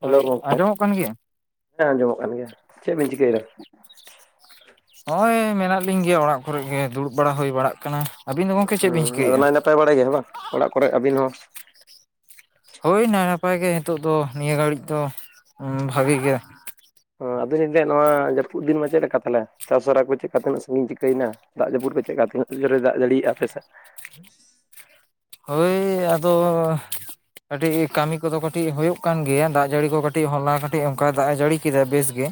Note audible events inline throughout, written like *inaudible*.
Hello ᱦᱳᱭ ᱜᱚᱝᱠᱮ ᱟᱸᱡᱚᱢᱚᱜ ᱠᱟᱱ ᱜᱮᱭᱟ? ᱦᱮᱸ ᱟᱸᱡᱚᱢᱚᱜ ᱠᱟᱱ ᱜᱮᱭᱟ, ᱪᱮᱫ ᱵᱮᱤᱱ ᱪᱤᱠᱟᱹᱭᱫᱟ? ᱦᱚᱸᱜᱼᱚᱭ ᱢᱮᱱᱟᱜ ᱞᱤᱧ ᱜᱮᱭᱟ ᱚᱲᱟᱜ ᱠᱚᱨᱮ ᱜᱮ ᱫᱩᱲᱩᱵ ᱵᱟᱲᱟ ᱦᱩᱭ ᱵᱟᱲᱟᱜ ᱠᱟᱱᱟ᱾ ᱟᱹᱵᱤᱱ ᱫᱚ ᱜᱚᱝᱠᱮ ᱪᱮᱫ ᱵᱤᱱ ᱩᱸ ᱟᱫᱚ ᱪᱤᱠᱟᱹᱭᱮᱜᱼᱟ? ᱱᱟᱭ ᱱᱟᱯᱟᱭ ᱵᱟᱲᱟ ᱜᱮᱭᱟ ᱦᱮᱸ ᱵᱟᱝ ᱚᱲᱟᱜᱽ ᱠᱚᱨᱮ ᱟᱹᱵᱤᱱ ᱦᱚᱸ? ᱦᱳᱭ ᱱᱟᱭ ᱱᱟᱯᱟᱭ ᱜᱮ ᱱᱤᱛᱚᱜᱽ ᱫᱚ ᱱᱤᱭᱟᱹ ᱜᱷᱟᱹᱲᱤᱡᱽ ᱫᱚ ᱩᱸ ᱵᱷᱟᱜᱤ ᱜᱮ᱾ ᱚᱸ ᱟᱫᱚᱧ ᱢᱮᱱᱫᱟ ᱱᱚᱣᱟ ᱡᱟᱹᱯᱩᱫ ᱫᱤᱱ ᱢᱟ ᱪᱮᱫ ᱞᱮᱠᱟ ᱛᱟᱦᱞᱮ ᱪᱟᱥ ᱦᱚᱨᱟ ᱠᱚ ᱪᱮᱫᱠᱟ ᱛᱤᱱᱟᱹᱜ ᱥᱟᱺᱜᱤᱧ ᱪᱤᱠᱟᱹᱭᱱᱟ? ᱫᱟᱜ ᱡᱟᱹᱯᱩᱫ ᱯᱮ ᱪᱮᱫ ᱠᱟ ᱛᱤᱱᱟᱹᱜ ᱡᱳᱨᱮ ᱫᱟᱜ ᱡᱟᱲᱤᱭᱮᱜᱼᱟ ᱟᱯᱮ ᱥᱮᱫ? ᱦᱳᱭ ᱟᱫᱚ ᱠᱟᱹᱴᱤᱡᱽ ᱠᱟᱹᱢᱤ ᱠᱚᱫᱚ ᱠᱟᱹᱴᱤᱡᱽ ᱦᱳᱭᱳᱜᱽ ᱠᱟᱱ ᱜᱮᱭᱟ ᱫᱟᱜᱽ ᱡᱟᱹᱲᱤ ᱠᱚ ᱠᱟᱹᱴᱤᱡᱽ ᱦᱚᱞᱟ ᱠᱟᱹᱴᱤᱡᱽ ᱚᱱᱠᱟ ᱫᱟᱜᱽ ᱮ ᱡᱟᱹᱲᱤ ᱠᱮᱫᱟ ᱵᱮᱥ ᱜᱮ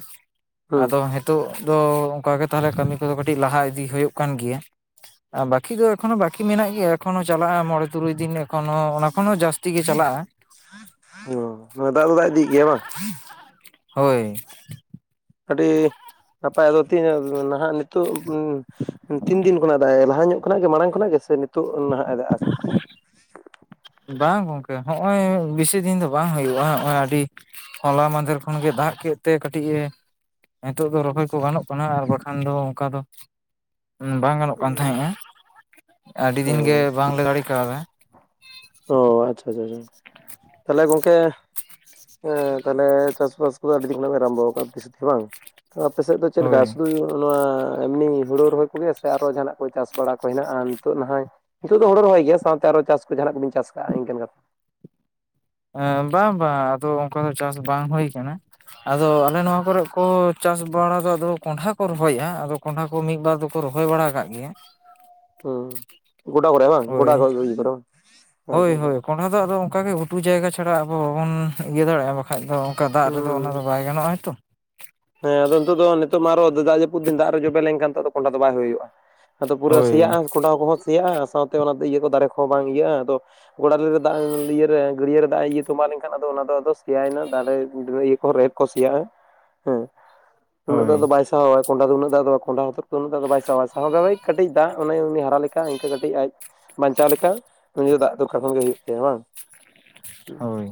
ᱦᱩᱸ ᱟᱫᱚ ᱦᱤᱛᱚᱜ ᱫᱚ ᱚᱱᱠᱟ ᱜᱮ ᱛᱟᱦᱞᱮ ᱠᱟᱹᱢᱤ ᱠᱚᱫᱚ ᱠᱟᱹᱴᱤᱡ ᱞᱟᱦᱟ ᱤᱫᱤ ᱦᱩᱭᱩᱜᱽ ᱠᱟᱱ ᱜᱮᱭᱟ᱾ ᱟᱸ ᱵᱟᱠᱤ ᱫᱚ ᱮᱠᱷᱚᱱᱚ ᱵᱟᱠᱤ ᱢᱮᱱᱟᱜᱽ ᱜᱮᱭᱟ ᱮᱠᱷᱚᱱᱚ ᱪᱟᱞᱟᱜᱼᱟ ᱢᱚᱬᱮ ᱛᱩᱨᱩᱭ ᱫᱤᱱ ᱮᱠᱷᱚᱱᱳ ᱚᱱᱟ ᱠᱷᱚᱱ ᱦᱚᱸ ᱡᱟᱹᱥᱛᱤ ᱜᱮ ᱪᱟᱞᱟᱜᱼᱟ᱾ ᱚᱸ ᱫᱟᱜ ᱫᱚ ᱫᱟᱜ ᱤᱫᱤᱭᱮᱜ ᱜᱮᱭᱟ ᱵᱟᱝ? *unintelligible* ᱦᱳᱭ᱾ ᱟᱹᱰᱤ ᱱᱟᱯᱟᱭ ᱟᱫᱚ ᱛᱤᱱᱟᱹᱜ ᱱᱟᱸᱦᱟᱜ ᱱᱤᱛᱚᱜ ᱛᱤᱱ ᱫᱤᱱ ᱠᱷᱚᱱᱟᱜ ᱫᱟᱜᱼᱮ ᱞᱟᱦᱟ ᱧᱚᱜ ᱠᱷᱚᱱᱟᱜ ᱜᱮ ᱢᱟᱲᱟᱝ ᱠᱷᱚᱱᱟᱜ ᱜᱮ ᱥᱮ ᱱᱤᱛᱚᱜ ᱱᱟᱦᱟᱜ ᱮ ᱫᱟᱜ ᱠᱟ? *inaudible* ᱵᱟᱝ ᱜᱚᱝᱠᱮ ᱦᱚᱸᱜᱼᱚᱭ ᱵᱮᱥᱤ ᱫᱤᱱ ᱫᱚ ᱵᱟᱝ ᱦᱩᱭᱩᱜᱼᱟ ᱦᱚᱸᱜᱼᱚᱭ ᱟᱹᱰᱤ ᱦᱚᱞᱟ ᱢᱟᱸᱦᱫᱮᱨ ᱠᱷᱚᱱ ᱜᱮ ᱫᱟᱜ ᱠᱮᱫ ᱛᱮ ᱠᱟᱹᱴᱤᱡᱼᱮ ᱱᱤᱛᱚᱜ ᱫᱚ ᱨᱚᱦᱚᱭ ᱠᱚ ᱜᱟᱱᱚᱜ ᱠᱟᱱᱟ, ᱟᱨ ᱵᱟᱠᱷᱟᱱ ᱫᱚ ᱚᱱᱠᱟ ᱫᱚ ᱵᱟᱝ ᱜᱟᱱᱚᱜ ᱠᱟᱱ ᱦᱳᱭ ᱛᱟᱦᱮᱸᱫᱼᱮ ᱟᱹᱰᱤ ᱫᱤᱱ ᱜᱮ ᱵᱟᱝ ᱞᱮ ᱫᱟᱲᱮ ᱠᱟᱣᱫᱟ᱾ ᱚᱸ ᱟᱪᱪᱷᱟ ᱪᱷᱟ ᱪᱷᱟ, ᱛᱟᱦᱞᱮ ᱜᱚᱝᱠᱮ ᱮᱸ ᱛᱟᱦᱞᱮ ᱪᱟᱥᱵᱟᱥ ᱠᱚᱫᱚ ᱟᱹᱰᱤ ᱫᱤᱱ ᱠᱷᱚᱱᱟᱜ ᱯᱮ ᱟᱨᱚᱢᱵᱚ ᱟᱠᱟᱫᱟ ᱛᱤᱥ ᱦᱮ ᱵᱟᱝ ᱟᱯᱮᱥᱮᱫ ᱫᱚ ᱪᱮᱫ ᱞᱮᱠᱟ ᱦᱳᱭ ᱥᱩᱫᱩ ᱱᱚᱣᱟ ᱮᱢᱱᱤ ᱦᱩᱲᱩ ᱨᱚᱦᱚᱭ ᱠᱚᱜᱮ ᱥᱮ ᱟᱨᱚ ᱡᱟᱦᱟᱱᱟᱜᱽ ᱠᱚ ᱪᱟᱥ ᱵᱟᱲᱟ ᱠᱚ ᱦᱮᱱᱟᱜᱼᱟ ᱱᱤᱛᱚᱜ ᱱᱟᱦᱚᱭ ᱱᱤᱛᱚᱜ ᱫᱚ ᱦᱳᱲᱳ ᱨᱚᱦᱚᱭ ᱜᱮ ᱥᱟᱶᱛᱮ ᱟᱨᱚ ᱪᱟᱥ ᱠᱚ ᱡᱟᱦᱟᱱᱟᱜ ᱠᱚᱵᱤᱱ ᱪᱟᱥ ᱠᱟᱜᱼᱟ ᱤᱱᱠᱟᱹ ᱠᱟ ᱮᱸ ᱵᱟᱝ ᱵᱟᱝ ᱟᱫᱚ ᱚᱱᱠᱟ ᱫᱚ ᱪᱟᱥ ᱵᱟᱝ ᱦᱩᱭ ᱠᱟᱱᱟ ᱟᱫᱚ ᱟᱞᱮ ᱱᱚᱣᱟ ᱠᱚᱨᱮᱜ ᱠᱚ ᱪᱟᱥ ᱵᱟᱲᱟ ᱫᱚ ᱟᱫᱚ ᱠᱚᱸᱰᱷᱟ ᱠᱚ ᱨᱚᱦᱚᱭᱮᱜᱼᱟ ᱟᱫᱚ ᱠᱚᱸᱰᱷᱟ ᱠᱚ ᱢᱤᱫ ᱵᱟᱨ ᱫᱚᱠᱚ ᱨᱚᱦᱚᱭ ᱵᱟᱲᱟ ᱠᱟᱫ ᱜᱮᱭᱟ, ᱦᱩᱸ ᱜᱚᱰᱟ ᱠᱚᱨᱮ ᱦᱮ ᱵᱟᱝ ᱜᱚᱰᱟ ᱦᱳᱭ ᱠᱚ *unintelligible* ᱟᱪᱪᱷᱟ ᱦᱳᱭ ᱟᱪᱪᱷᱟ᱾ ᱦᱳᱭ ᱠᱚᱸᱰᱷᱟ ᱫᱚ ᱟᱫᱚ ᱚᱝᱠᱟ ᱜᱮ ᱜᱷᱩᱴᱩ ᱡᱟᱭᱜᱟ ᱪᱷᱟᱲᱟ ᱟᱵᱚ ᱵᱟᱵᱚᱱ ᱤᱭᱟᱹ ᱫᱟᱲᱮᱜᱼᱟ᱾ ᱵᱟᱠᱷᱟᱡᱽ ᱫᱚ ᱚᱱᱠᱟ ᱫᱟᱜᱽ ᱨᱮᱫᱚ ᱚᱱᱟᱫᱚ ᱦᱩᱸ ᱵᱟᱭ ᱜᱟᱱᱚᱜᱼᱟᱭ ᱛᱚ᱾ ᱦᱮᱸ ᱟᱫᱚ ᱱᱤᱛᱚᱜ ᱫᱚ ᱱᱤᱛᱚᱜ ᱢᱟ ᱟᱨᱚ ᱫᱟᱜ ᱡᱟᱹᱯᱩ ᱫᱤᱱ ᱫᱟᱜ ᱨᱮ ᱡᱚᱵᱮ ᱞᱮᱱᱠᱷᱟᱱ ᱫᱚ ᱠᱚᱸᱦᱰᱟ ᱫᱚ ᱵᱟᱭ ᱦᱩᱭᱩᱜᱼᱟ᱾ ᱟᱫᱚ ᱯᱩᱨᱟᱹ ᱦᱳᱭ ᱥᱮᱭᱟᱜᱼᱟ ᱠᱚᱸᱰᱷᱟ ᱠᱚᱦᱚᱸ ᱥᱮᱭᱟᱜᱼᱟ ᱥᱟᱶᱛᱮ ᱚᱱᱟ ᱤᱭᱟᱹ ᱠᱚ ᱫᱟᱨᱮ ᱠᱚᱦᱚᱸ ᱵᱟᱝ ᱤᱭᱟᱹᱜᱼᱟ, ᱟᱫᱚ ᱜᱳᱰᱟ ᱨᱮ ᱫᱟᱜ ᱤᱭᱟᱹ ᱨᱮ ᱜᱟᱹᱰᱭᱟᱹ ᱨᱮ ᱫᱟᱜ ᱮᱸ ᱤᱭᱟᱹ ᱛᱚᱸᱵᱟ ᱞᱮᱱᱠᱷᱟᱱ ᱟᱫᱚ ᱚᱱᱟᱫᱚ ᱟᱫᱚ ᱥᱮᱭᱟᱭᱮᱱᱟ ᱫᱟᱨᱮ ᱤᱭᱟᱹ ᱠᱚᱸᱦᱚᱸ ᱨᱮᱦᱮᱫ ᱠᱚ ᱥᱤᱭᱟᱜᱼᱟ ᱦᱮᱸ ᱩᱱᱟᱹᱜ ᱫᱚ ᱦᱳᱭ ᱟᱫᱚ ᱵᱟᱭ ᱛᱚ ᱠᱚᱸᱦᱰᱟ ᱫᱚ ᱩᱱᱟᱹᱜ ᱫᱟᱜ ᱫᱚ ᱠᱚᱸᱦᱰᱟ ᱦᱚᱛᱚᱫᱽ ᱠᱚᱸ ᱩᱱᱟᱹ ᱫᱚ ᱟᱫᱚ ᱵᱟᱭ ᱥᱟᱦᱟᱣᱟ ᱥᱟᱦᱟᱣ ᱫᱟᱲᱮᱜ ᱠᱟᱹᱴᱤᱡ ᱫᱟᱜ ᱚᱱᱮ ᱩᱱᱤ ᱦᱟᱨᱟ ᱞᱮᱠᱟ ᱤᱱᱠᱟᱹ ᱠᱟᱹᱴᱤᱡ ᱟᱡ ᱵᱟᱧᱪᱟᱣ ᱞᱮᱠᱟ ᱩᱱᱤ ᱫᱟᱜ ᱫᱚᱠᱟᱨ ᱠᱷᱟᱱ ᱜᱮ ᱦᱩᱭᱩᱜ ᱛᱟᱭᱟ ᱵᱟᱝ᱾ ᱦᱳᱭ᱾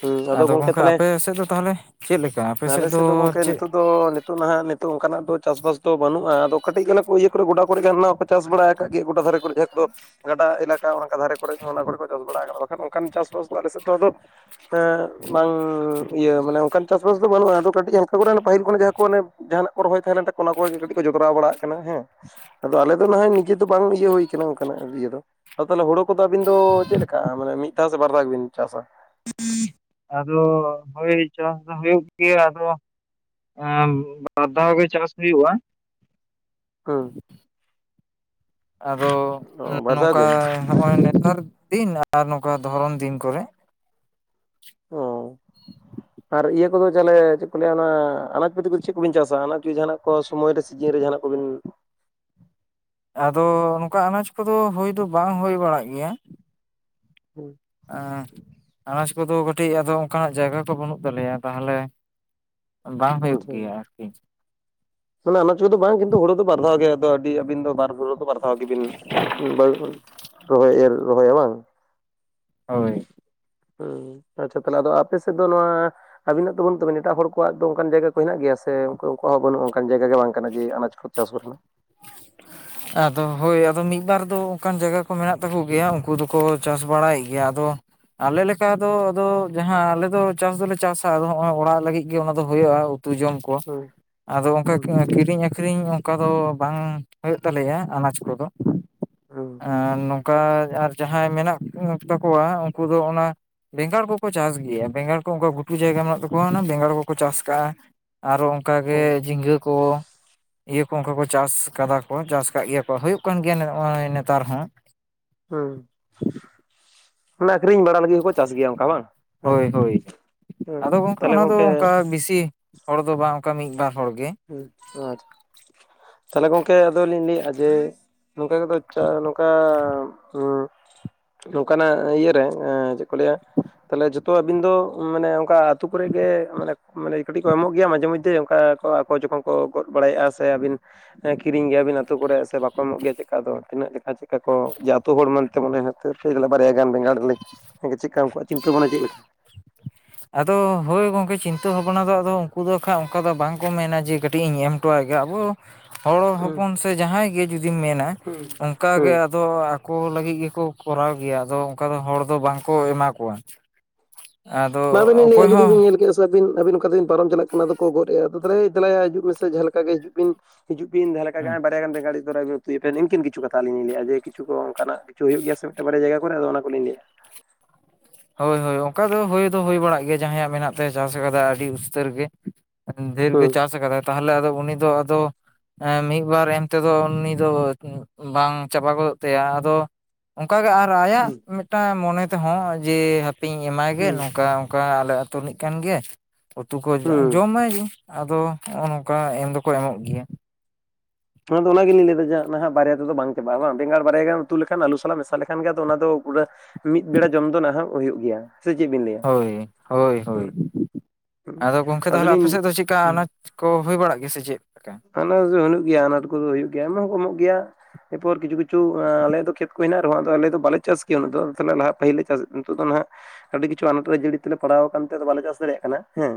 ᱦᱩᱸ ᱟᱫᱚ ᱜᱚᱝᱠᱮ ᱜᱚᱢᱠᱮ ᱛᱟᱦᱚᱞᱮ ᱟᱯᱮ ᱥᱮᱫ ᱫᱚ ᱛᱟᱦᱞᱮ ᱪᱮᱫ ᱞᱮᱠᱟ ᱟᱯᱮ ᱥᱮᱫ ᱫᱚ ᱪᱮᱫ ᱛᱚ ᱱᱤᱛᱚᱜ ᱱᱟᱦᱟᱜ ᱱᱤᱛᱚᱜ ᱚᱱᱠᱟᱱᱟᱜ ᱫᱚ ᱪᱟᱥᱵᱟᱥ ᱫᱚ ᱵᱟᱹᱱᱩᱜᱼᱟ ᱟᱫᱚ ᱠᱟᱹᱴᱤᱡᱽ ᱜᱟᱱ ᱠᱩ ᱤᱭᱟᱹ ᱠᱚᱨᱮ ᱜᱚᱰᱟ ᱠᱚᱨᱮ ᱜᱮ ᱦᱟᱱᱟ ᱪᱟᱥ ᱵᱟᱲᱟ ᱠᱟᱫ ᱜᱮᱭᱟ ᱜᱚᱰᱟ ᱫᱷᱟᱨᱮ ᱠᱚᱨᱮ ᱡᱟᱦᱟᱸ ᱠᱚᱫᱚ ᱜᱟᱰᱟ ᱮᱞᱟᱠᱟ ᱚᱱᱠᱟ ᱫᱷᱟᱨᱮ ᱠᱚᱨᱮ ᱦᱚᱸ ᱚᱱᱟ ᱠᱚᱨᱮ ᱠᱚ ᱪᱟᱥ ᱵᱟᱲ ᱟᱠᱟᱱᱟ ᱵᱟᱠᱷᱟᱱ ᱚᱱᱠᱟᱱ ᱪᱟᱥ ᱵᱟᱥ ᱫᱚ ᱟᱞᱮ ᱥᱮᱫ ᱫᱚ ᱟᱫᱚ ᱮᱸ ᱵᱟᱝᱻ ᱤᱭᱟᱹ ᱢᱟᱱᱮ ᱚᱱᱠᱟᱱ ᱪᱟᱥ ᱵᱟᱥ ᱫᱚ ᱵᱟᱹᱱᱩᱜᱼᱟ, ᱟᱫᱚ ᱠᱟᱹ ᱴᱤᱡ ᱦᱟᱞᱠᱟ ᱠᱚᱨᱮ ᱚᱱᱟ ᱯᱟᱹᱤᱞ ᱠᱷᱚᱱ ᱡᱟᱸᱦᱟ ᱠᱚ ᱚᱱᱮ ᱡᱟᱸᱦᱟᱱᱟᱜ ᱠᱚ ᱨᱚᱦᱚᱭ ᱛᱟᱦᱮᱸ ᱞᱮᱱ ᱛᱟᱠᱚ ᱚᱱᱟ ᱠᱚᱜᱮ ᱠᱚ ᱠᱟᱹᱴᱤᱡ ᱠᱚ ᱡᱚᱛᱨᱟᱣ ᱵᱟᱲᱟ ᱟᱜ ᱠᱟᱱᱟ ᱦᱮᱸ᱾ ᱟᱫᱚ ᱟᱞᱮ ᱫᱚ ᱱᱟᱦᱟᱭ ᱱᱤᱡᱮ ᱫᱚ ᱵᱟᱝ ᱤᱭᱟᱹ ᱦᱩᱭ ᱠᱟᱱᱟ ᱚᱱᱠᱟᱱᱟᱜ ᱤᱭᱟᱹ ᱫᱚ᱾ ᱟᱫᱚ ᱛᱟᱦᱞᱮ ᱦᱩᱲᱳ ᱠᱚᱫᱚ ᱟᱹᱵᱤᱱ ᱫᱚ ᱪᱮᱫ ᱞᱮᱠᱟ ᱢᱟᱱᱮ ᱢᱤᱫ ᱫᱷᱟᱣ ᱥᱮ ᱵᱟᱨ ᱫᱷᱟᱣ ᱜᱮ ᱵᱤᱱ ᱪᱟᱥᱟ? ᱟᱫᱚ ᱦᱳᱭ ᱪᱟᱥ ᱫᱚ ᱦᱩᱭᱩᱜ ᱜᱮᱭᱟ, ᱟᱫᱚ ᱟᱸ ᱵᱟᱨᱫᱷᱟᱣ ᱜᱮ ᱪᱟᱥ ᱦᱩᱭᱩᱜᱼᱟ᱾ ᱦᱩᱸ ᱟᱫᱚ ᱚ ᱵᱟᱨ ᱫᱷᱟᱣ ᱱᱚᱝᱠᱟ ᱜᱮ ᱱᱚᱜ-ᱚᱭ ᱱᱮᱛᱟᱨ ᱫᱤᱱ ᱟᱨ ᱱᱚᱝᱠᱟ ᱫᱷᱚᱨᱚᱱ ᱫᱤᱱ ᱠᱚᱨᱮ ᱚ ᱟᱨ ᱤᱭᱟᱹ ᱠᱚᱫᱚ ᱡᱟᱦᱚᱞᱮ ᱪᱮᱫ ᱠᱚ ᱞᱟᱹᱭᱟ ᱚᱱᱟ ᱟᱱᱟᱡᱽ ᱟᱨ ᱤᱭᱟᱹ ᱠᱚᱫᱚ ᱪᱮᱞᱮ ᱪᱮᱫ ᱠᱚ ᱞᱟᱹᱭᱟ ᱚᱱᱟ ᱟᱱᱟᱡᱽ ᱯᱟᱹᱛᱤ ᱠᱚᱫᱚ ᱪᱮᱫ ᱠᱚᱵᱤᱱ ᱪᱟᱥᱟ? ᱟᱱᱟᱡᱽ ᱠᱚ ᱡᱟᱦᱟᱱᱟᱜ ᱠᱚ ᱥᱚᱢᱚᱭ ᱨᱮ ᱥᱤᱡᱤᱱ ᱨᱮ ᱡᱟᱸᱦᱟᱱᱟᱜ ᱠᱚᱵᱤᱱ ᱟᱫᱚ ᱱᱚᱝᱠᱟ ᱟᱱᱟᱪ ᱠᱚᱫᱚ ᱦᱩᱭ ᱫᱚ ᱵᱟᱝ ᱦᱩᱭ ᱵᱟᱲᱟᱜ ᱜᱮᱭᱟ᱾ ᱦᱩᱸ ᱮᱸ ᱟᱱᱟᱡᱽ ᱠᱚᱫᱚ ᱠᱟᱹᱴᱤᱡ ᱟᱫᱚ ᱚᱝᱠᱟᱱᱟᱜ ᱡᱟᱭᱜᱟ ᱠᱚ ᱵᱟᱹᱱᱩᱜ ᱛᱟᱞᱮᱭᱟ ᱛᱟᱦᱞᱮ᱾ ᱵᱟᱝ ᱦᱩᱭᱩᱜ ᱟᱪᱪᱷᱟ ᱜᱮᱭᱟ ᱟᱨᱠᱤ᱾ ᱢᱟᱱᱮ ᱚᱱᱟᱱᱟᱡᱽ ᱠᱚ ᱫᱚ ᱵᱟᱝ ᱠᱤᱱᱛᱩ ᱦᱩᱲᱩ ᱫᱚ ᱵᱟᱨ ᱫᱷᱟᱣ ᱜᱮ ᱟᱫ ᱟᱹᱰᱤ ᱟᱵᱤᱱ ᱫᱚ ᱵᱟᱨ ᱫᱷᱟᱣ ᱜᱤᱵᱤᱱ ᱵᱟᱝ ᱨᱚᱦᱚᱭᱟ ᱮᱨ ᱨᱚᱦᱚᱭᱟ ᱵᱟᱝ? ᱦᱳᱭ᱾ ᱦᱩᱸ, ᱟᱪᱪᱷᱟ ᱛᱟᱦᱞᱮ ᱟᱫᱚ ᱟᱯᱮᱥᱮᱡ ᱫᱚ ᱱᱚᱣᱟ ᱟᱵᱤᱱᱟᱜ ᱫᱚ ᱵᱟᱹᱱᱩᱜ ᱛᱟᱵᱮᱱᱟ᱾ ᱮᱴᱟᱜ ᱦᱚᱲ ᱠᱚᱣᱟᱜ ᱫᱚ ᱚᱝᱠᱟᱱ ᱡᱟᱭᱜᱟ ᱠᱚ ᱦᱮᱱᱟᱜ ᱜᱮᱭᱟ ᱥᱮ ᱩᱜᱠᱩᱣᱟᱜ ᱦᱚᱸ ᱵᱟᱹᱱᱩᱜᱼᱟ? *unintelligible* ᱡᱟᱭᱜᱟ ᱜᱮ ᱵᱟᱝ ᱠᱟᱱᱟ ᱡᱮ ᱟᱱᱟᱡᱽ ᱠᱚ ᱪᱟᱥ ᱨᱮᱱᱟᱜ᱾ ᱟᱫᱚ ᱦᱳᱭ᱾ ᱟᱫᱚ ᱢᱤᱫ-ᱵᱟᱨ ᱫᱚ ᱚᱱᱠᱟᱱ ᱡᱟᱭᱜᱟ ᱠᱚ ᱢᱮᱱᱟᱜ ᱛᱟᱠᱚ ᱜᱮᱭᱟ, ᱩᱝᱠᱩ ᱫᱚᱠᱚ ᱪᱟᱥ ᱵᱟᱲᱟᱭᱮᱫ ᱜᱮᱭᱟ᱾ ᱟᱫᱚ ᱟᱞᱮ ᱞᱮᱠᱟ ᱫᱚ ᱟᱫᱚ ᱡᱟᱦᱟᱸ ᱟᱞᱮ ᱫᱚ ᱪᱟᱥ ᱫᱚᱞᱮ ᱪᱟᱥᱟ ᱟᱫᱚ ᱦᱚᱸᱜᱚᱭ ᱚᱲᱟᱜ ᱞᱟᱹᱜᱤᱫ ᱜᱮ ᱚᱱᱟ ᱫᱚ ᱦᱩᱭᱩᱜᱼᱟ ᱩᱛᱩ ᱡᱚᱢ ᱠᱚ᱾ ᱦᱩᱸ ᱟᱫᱚ ᱚᱝᱠᱟ ᱦᱩᱸ ᱠᱤᱨᱤᱧ ᱟᱹᱠᱷᱨᱤᱧ ᱚᱝᱠᱟ ᱫᱚ ᱵᱟᱝ ᱦᱩᱭᱩᱜ ᱛᱟᱞᱮᱭᱟ ᱟᱱᱟᱡᱽ ᱠᱚᱫᱚ, ᱦᱩᱸ ᱮᱱ ᱚᱝᱠᱟ ᱟᱨ ᱡᱟᱦᱟᱸᱭ ᱢᱮᱱᱟᱜ ᱛᱟᱠᱚᱣᱟ ᱩᱱᱠᱩ ᱫᱚ ᱚᱱᱟ ᱵᱮᱸᱜᱟᱲ ᱠᱚᱠᱚ ᱪᱟᱥ ᱜᱮᱭᱟ, ᱵᱮᱸᱜᱟᱲ ᱠᱚ ᱚᱝᱠᱟ ᱜᱷᱩᱴᱩ ᱡᱟᱭᱜᱟ ᱢᱮᱱᱟᱜ ᱛᱟᱠᱚᱣᱟ ᱚᱱᱟ ᱵᱮᱸᱜᱟᱲ ᱠᱚᱠᱚ ᱪᱟᱥ ᱠᱟᱜ-ᱟ᱾ ᱟᱨᱚ ᱚᱝᱠᱟ ᱜᱮ ᱦᱩᱸ ᱡᱷᱤᱸᱜᱟᱹ ᱠᱚ, ᱤᱭᱟᱹ ᱠᱚ ᱚᱝᱠᱟ ᱠᱚ ᱪᱟᱥ ᱠᱟᱫᱟ ᱠᱚ, ᱪᱟᱥ ᱠᱟᱜ ᱜᱮᱭᱟ ᱠᱚ᱾ ᱦᱩᱭᱩᱜ ᱠᱟᱱ ᱜᱮᱭᱟ ᱱᱚᱜ-ᱚᱭ ᱱᱮᱛᱟᱨ ᱦᱚᱸ᱾ ᱦᱩᱸ, ᱢᱟᱱᱮ ᱟᱠᱷᱨᱤᱧ ᱵᱟᱲᱟ ᱞᱟᱹᱜᱤᱫ ᱦᱚᱸᱠᱚ ᱪᱟᱥ ᱜᱮᱭᱟ ᱚᱝᱠᱟ ᱵᱟᱝ? ᱦᱮᱸ ᱦᱳᱭ ᱦᱳᱭ, ᱦᱮᱸ ᱟᱫᱚ ᱜᱚᱢᱠᱮ ᱛᱟᱦᱚᱞᱮ ᱚᱱᱟ ᱫᱚ ᱜᱚᱝᱠᱮ ᱚᱝᱠᱟ ᱵᱤᱥᱤ ᱦᱚᱲ ᱫᱚ ᱵᱟᱝ, ᱚᱝᱠᱟ ᱢᱤᱫ-ᱵᱟᱨ ᱦᱚᱲ ᱜᱮ᱾ ᱦᱩᱸ ᱟᱨ ᱛᱟᱦᱞᱮ ᱜᱚᱝᱠᱮ ᱟᱫᱚᱞᱤᱧ ᱞᱟᱹᱭᱮᱜ-ᱟ ᱡᱮ, ᱱᱚᱝᱠᱟ ᱜᱮᱛᱚ ᱪᱟ ᱱᱚᱝᱠᱟ ᱩᱸ ᱱᱚᱝᱠᱟᱱᱟᱜ ᱤᱭᱟᱹ ᱨᱮ ᱮᱸ ᱪᱮᱫ ᱠᱚ ᱞᱟᱹᱭᱟ ᱛᱟᱦᱞᱮ ᱡᱷᱚᱛᱚ ᱟᱵᱤᱱ ᱫᱚ ᱢᱟᱱᱮ ᱚᱝᱠᱟ ᱟᱹᱛᱩ ᱠᱚᱨᱮ ᱜᱮ ᱢᱟᱱᱮ ᱠᱟᱹᱴᱤᱡ ᱠᱚ ᱮᱢᱚᱜ ᱜᱮᱭᱟ ᱢᱟᱡᱷᱮ ᱢᱚᱫᱽᱫᱷᱮ ᱚᱝᱠᱟ ᱠᱚ, ᱚᱠᱚᱭ ᱪᱚᱠᱚ ᱠᱚ ᱜᱚᱫ ᱵᱟᱲᱟᱭᱮᱜᱼᱟ ᱥᱮ ᱟᱹᱵᱤᱱ ᱠᱤᱨᱤᱧ ᱜᱮᱭᱟᱵᱤᱱ ᱟᱹᱛᱩ ᱠᱚᱨᱮᱜ ᱥᱮ ᱵᱟᱠᱚ ᱮᱢᱚᱜ ᱜᱮᱭᱟ ᱪᱮᱫᱠᱟ ᱫᱚ? ᱛᱤᱱᱟᱹᱜ ᱡᱮᱠᱷᱟ ᱪᱮᱜ-ᱠᱟ ᱠᱚ ᱡᱮ ᱟᱹᱛᱩ ᱦᱚᱲ ᱢᱮᱱᱛᱮ ᱢᱚᱱᱮ ᱦᱩᱭᱩᱜ *unintelligible* ᱵᱟᱨᱭᱟ ᱜᱟᱱ ᱵᱮᱸᱜᱟᱲ ᱞᱤᱧ ᱪᱮᱜ-ᱠᱟ ᱩᱜᱠᱩᱣᱟᱜ ᱪᱤᱱᱛᱟᱹ ᱵᱷᱟᱵᱽᱱᱟ ᱪᱮᱫ ᱞᱮᱠᱟ? ᱟᱫᱚ ᱦᱳᱭ ᱜᱚᱝᱠᱮ ᱪᱤᱱᱛᱟᱹ ᱵᱷᱟᱵᱱᱟ ᱫᱚ ᱟᱫᱚ ᱩᱱᱴᱝᱠᱩ ᱫᱚ ᱠᱷᱟᱜ ᱚᱝᱠᱟ ᱫᱚ ᱵᱟᱝᱠᱚ ᱢᱮᱱᱟ ᱡᱮ ᱠᱟᱹᱴᱤᱡ ᱤᱧ ᱮᱢ ᱦᱚᱴᱚᱣᱟᱭ ᱜᱮ, ᱟᱵᱚ ᱦᱚᱲ ᱦᱩᱸ ᱦᱚᱯᱚᱱ ᱥᱮ ᱡᱟᱦᱟᱸᱭ ᱜᱮ ᱡᱩᱫᱤᱢ ᱢᱮᱱᱟ ᱦᱩᱸ ᱦᱩᱸ ᱚᱜᱠᱟᱜᱮ ᱟᱫᱚ ᱟᱠᱚ ᱞᱟᱹᱜᱤᱫ ᱜᱮᱠᱚ ᱠᱚᱨᱟᱣ ᱜᱮᱭᱟ ᱟᱫᱚ ᱚᱝᱠᱟ ᱫᱚ ᱦᱚᱲ ᱫᱚ ᱵᱟᱝᱠᱚ ᱮᱢᱟ ᱠᱚᱣᱟ᱾ ᱟᱫᱚ *unintelligible* ᱟᱹᱵᱤᱱ ᱚᱠᱚᱭ ᱟᱵᱤᱱ ᱦᱚᱸ ᱠᱟᱛᱮᱵᱤᱱ ᱯᱟᱨᱚᱢ ᱪᱟᱞᱟᱜ ᱟᱵᱤᱱ ᱟᱵᱤᱱ *unintelligible* ᱟᱹᱵᱤᱱ ᱚᱝᱠᱟ ᱛᱮᱵᱮᱱ ᱯᱟᱨᱚᱢ ᱪᱟᱞᱟᱜ ᱠᱟᱱᱟ, ᱟᱫᱚ ᱠᱚ ᱜᱚᱫᱮᱫ-ᱟ ᱟᱫᱚ ᱛᱟᱦᱞᱮ ᱫᱮᱞᱟᱭᱟ ᱦᱤᱡᱩᱜ ᱢᱮᱥᱮ ᱡᱟᱦᱟᱸ ᱞᱮᱠᱟ ᱜᱮ ᱦᱤᱡᱩᱜ ᱵᱤᱱ᱾ ᱦᱤᱡᱩᱜ ᱵᱤᱱ ᱡᱟᱦᱟᱸ ᱞᱮᱠᱟ ᱦᱟᱸᱜ-ᱟᱭ ᱵᱟᱨᱭᱟ ᱜᱟᱱ ᱵᱮᱸᱜᱟᱲ ᱵᱟᱨᱭᱟ ᱩᱛᱩ ᱠᱮᱠᱟ, ᱱᱤᱭᱟᱹ ᱠᱤᱱ ᱠᱤᱪᱷᱩ ᱠᱟᱛᱷᱟ ᱟᱞᱤᱧ ᱞᱤᱧ ᱞᱟᱹᱭᱮᱫ-ᱟ ᱡᱮ ᱠᱤᱪᱷᱩ ᱠᱚ ᱚᱝᱠᱟᱱᱟᱜ ᱠᱤᱪᱷᱩ ᱦᱩᱭᱩᱜ ᱜᱮᱭᱟ ᱥᱮ ᱢᱤᱫᱴᱮᱱ ᱵᱟᱨᱭᱟ ᱡᱟᱭᱜᱟ ᱠᱚᱨᱮ, ᱟᱫᱚ ᱚᱱᱟ ᱠᱚᱞᱤᱧ ᱞᱟᱹᱭᱮᱜ-ᱟ᱾ ᱦᱳᱭ ᱦᱳᱭ ᱚᱝᱠᱟ ᱫᱚ ᱦᱩᱭ ᱫᱚ ᱦᱩᱭ ᱵᱟᱲᱟᱜ ᱜᱮᱭᱟ, ᱡᱟᱦᱟᱸᱭᱟᱜ ᱢᱮᱱᱟᱜ ᱛᱟᱭ ᱪᱟᱥ ᱠᱟᱫᱟ ᱟᱹᱰᱤ ᱩᱥᱛᱟᱹᱨ ᱜᱮ᱾ ᱰᱷᱮᱹᱨ ᱜᱮ ᱦᱩᱸ ᱪᱟᱥ ᱟᱠᱟᱫᱟᱭ ᱛᱟᱦᱞᱮ ᱟᱫᱚ ᱩᱱᱤ ᱫᱚ ᱟᱫᱚ ᱮᱸ, ᱢᱤᱫ ᱵᱟᱨ ᱮᱢ ᱛᱮᱫᱚ ᱩᱱᱤ ᱫᱚ ᱵᱟᱝ ᱪᱟᱵᱟ ᱜᱚᱫᱚᱜ ᱛᱟᱭᱟ᱾ ᱟᱫᱚ ᱚᱝᱠᱟᱟᱜᱮ ᱟᱨ ᱟᱭᱟᱜ ᱢᱤᱫᱴᱟᱝ ᱢᱚᱱᱮ ᱛᱮᱦᱚᱸ ᱡᱮ ᱦᱟᱯᱮᱧ ᱮᱢᱟᱭ ᱜᱮ ᱦᱩᱸ ᱱᱚᱝᱠᱟ ᱠᱟ ᱟᱞᱮ ᱟᱛᱳ ᱨᱮᱱᱤᱡ ᱠᱟᱱᱜᱮᱭᱟᱭ ᱩᱛᱩ ᱠᱚ ᱦᱩᱸ ᱡᱚᱢᱟᱭ ᱟᱫᱚ ᱦᱚᱸᱜ-ᱚ ᱱᱚᱝᱠᱟ ᱮᱢ ᱫᱚᱠᱚ ᱮᱢᱚᱜ ᱜᱮᱭᱟ᱾ ᱚᱱᱟᱫᱚ ᱚᱱᱟᱜᱮᱞᱤᱧ ᱞᱟᱹᱭᱟ ᱡᱮ ᱱᱟᱦᱟᱜ ᱵᱟᱨᱭᱟ ᱛᱮᱫᱚ ᱵᱟᱝ ᱪᱟᱵᱟᱜᱼᱟ ᱵᱟᱝ ᱵᱮᱸᱜᱟᱲ ᱵᱟᱨᱭᱟ ᱜᱮ ᱩᱛᱩ ᱞᱮᱠᱷᱟᱱ ᱟᱞᱩ ᱥᱟᱞᱟᱜ ᱢᱮᱥᱟᱞ ᱞᱮᱠᱷᱟᱱ ᱜᱮᱭᱟ ᱚᱱᱟ ᱫᱚ ᱯᱩᱨᱟᱹ ᱢᱤᱫ ᱵᱮᱲᱟ ᱡᱚᱢ ᱫᱚ ᱱᱟᱦᱟᱜ ᱦᱩᱭᱩᱜ ᱜᱮᱭᱟ᱾ ᱥᱮ ᱪᱮᱫ ᱵᱤᱱ ᱞᱟᱹᱭᱟ? ᱦᱳᱭ, ᱦᱩᱸ ᱦᱳᱭ-ᱦᱳᱭ᱾ ᱦᱩᱸ ᱟᱫᱚ ᱜᱚᱝᱠᱮ ᱛᱟᱦᱞᱮ ᱟᱯᱮ ᱟᱫᱚᱞᱤᱧ ᱥᱮᱫ ᱫᱚ ᱪᱮᱜ-ᱠᱟ ᱦᱩᱸ ᱚᱱᱟ ᱠᱚ ᱦᱩᱭ ᱵᱟᱲᱟᱜ ᱜᱮᱭᱟ ᱥᱮ ᱪᱮᱫ? ᱞᱮᱠᱟ ᱦᱟᱱᱟ ᱫᱚ ᱦᱩᱭᱩᱜ ᱜᱮᱭᱟ ᱟᱱᱟᱴ ᱠᱩᱫᱚ ᱦᱩᱭᱩᱜ ᱜᱮᱭᱟ, ᱮᱢ ᱦᱚᱸ ᱠᱚᱢᱚᱜ ᱜᱮᱭᱟ᱾ ᱮᱨᱯᱚᱨ ᱠᱤᱪᱷᱩ ᱠᱤᱪᱩ ᱟᱞᱮᱭᱟᱜ ᱫᱚ ᱠᱷᱮᱛ ᱠᱩ ᱦᱮᱱᱟᱜ ᱨᱮᱦᱚᱸ ᱟᱫᱚ ᱟᱞᱮ ᱫᱚ ᱵᱟᱞᱮ ᱪᱟᱥ ᱠᱮᱭᱟ ᱩᱱᱟᱹᱜ ᱫᱚ ᱟᱫᱚ ᱛᱟᱦᱚᱞᱮ ᱱᱟᱦᱟᱜ ᱯᱟᱹᱤᱞ ᱞᱮᱠᱟ ᱪᱟᱥ ᱱᱤᱛᱚᱜ ᱫᱚ ᱦᱟᱸᱜ ᱟᱰᱤ ᱠᱤᱪᱷᱩ ᱟᱱᱟᱴ ᱨᱮ ᱡᱟᱹᱲᱤ ᱛᱮᱞᱮ ᱯᱟᱲᱟᱣ ᱠᱟᱱᱛᱮ ᱵᱟᱞᱮ ᱪᱟᱥ ᱫᱟᱲᱮᱭᱟᱜ ᱠᱟᱱᱟ ᱦᱮᱸ᱾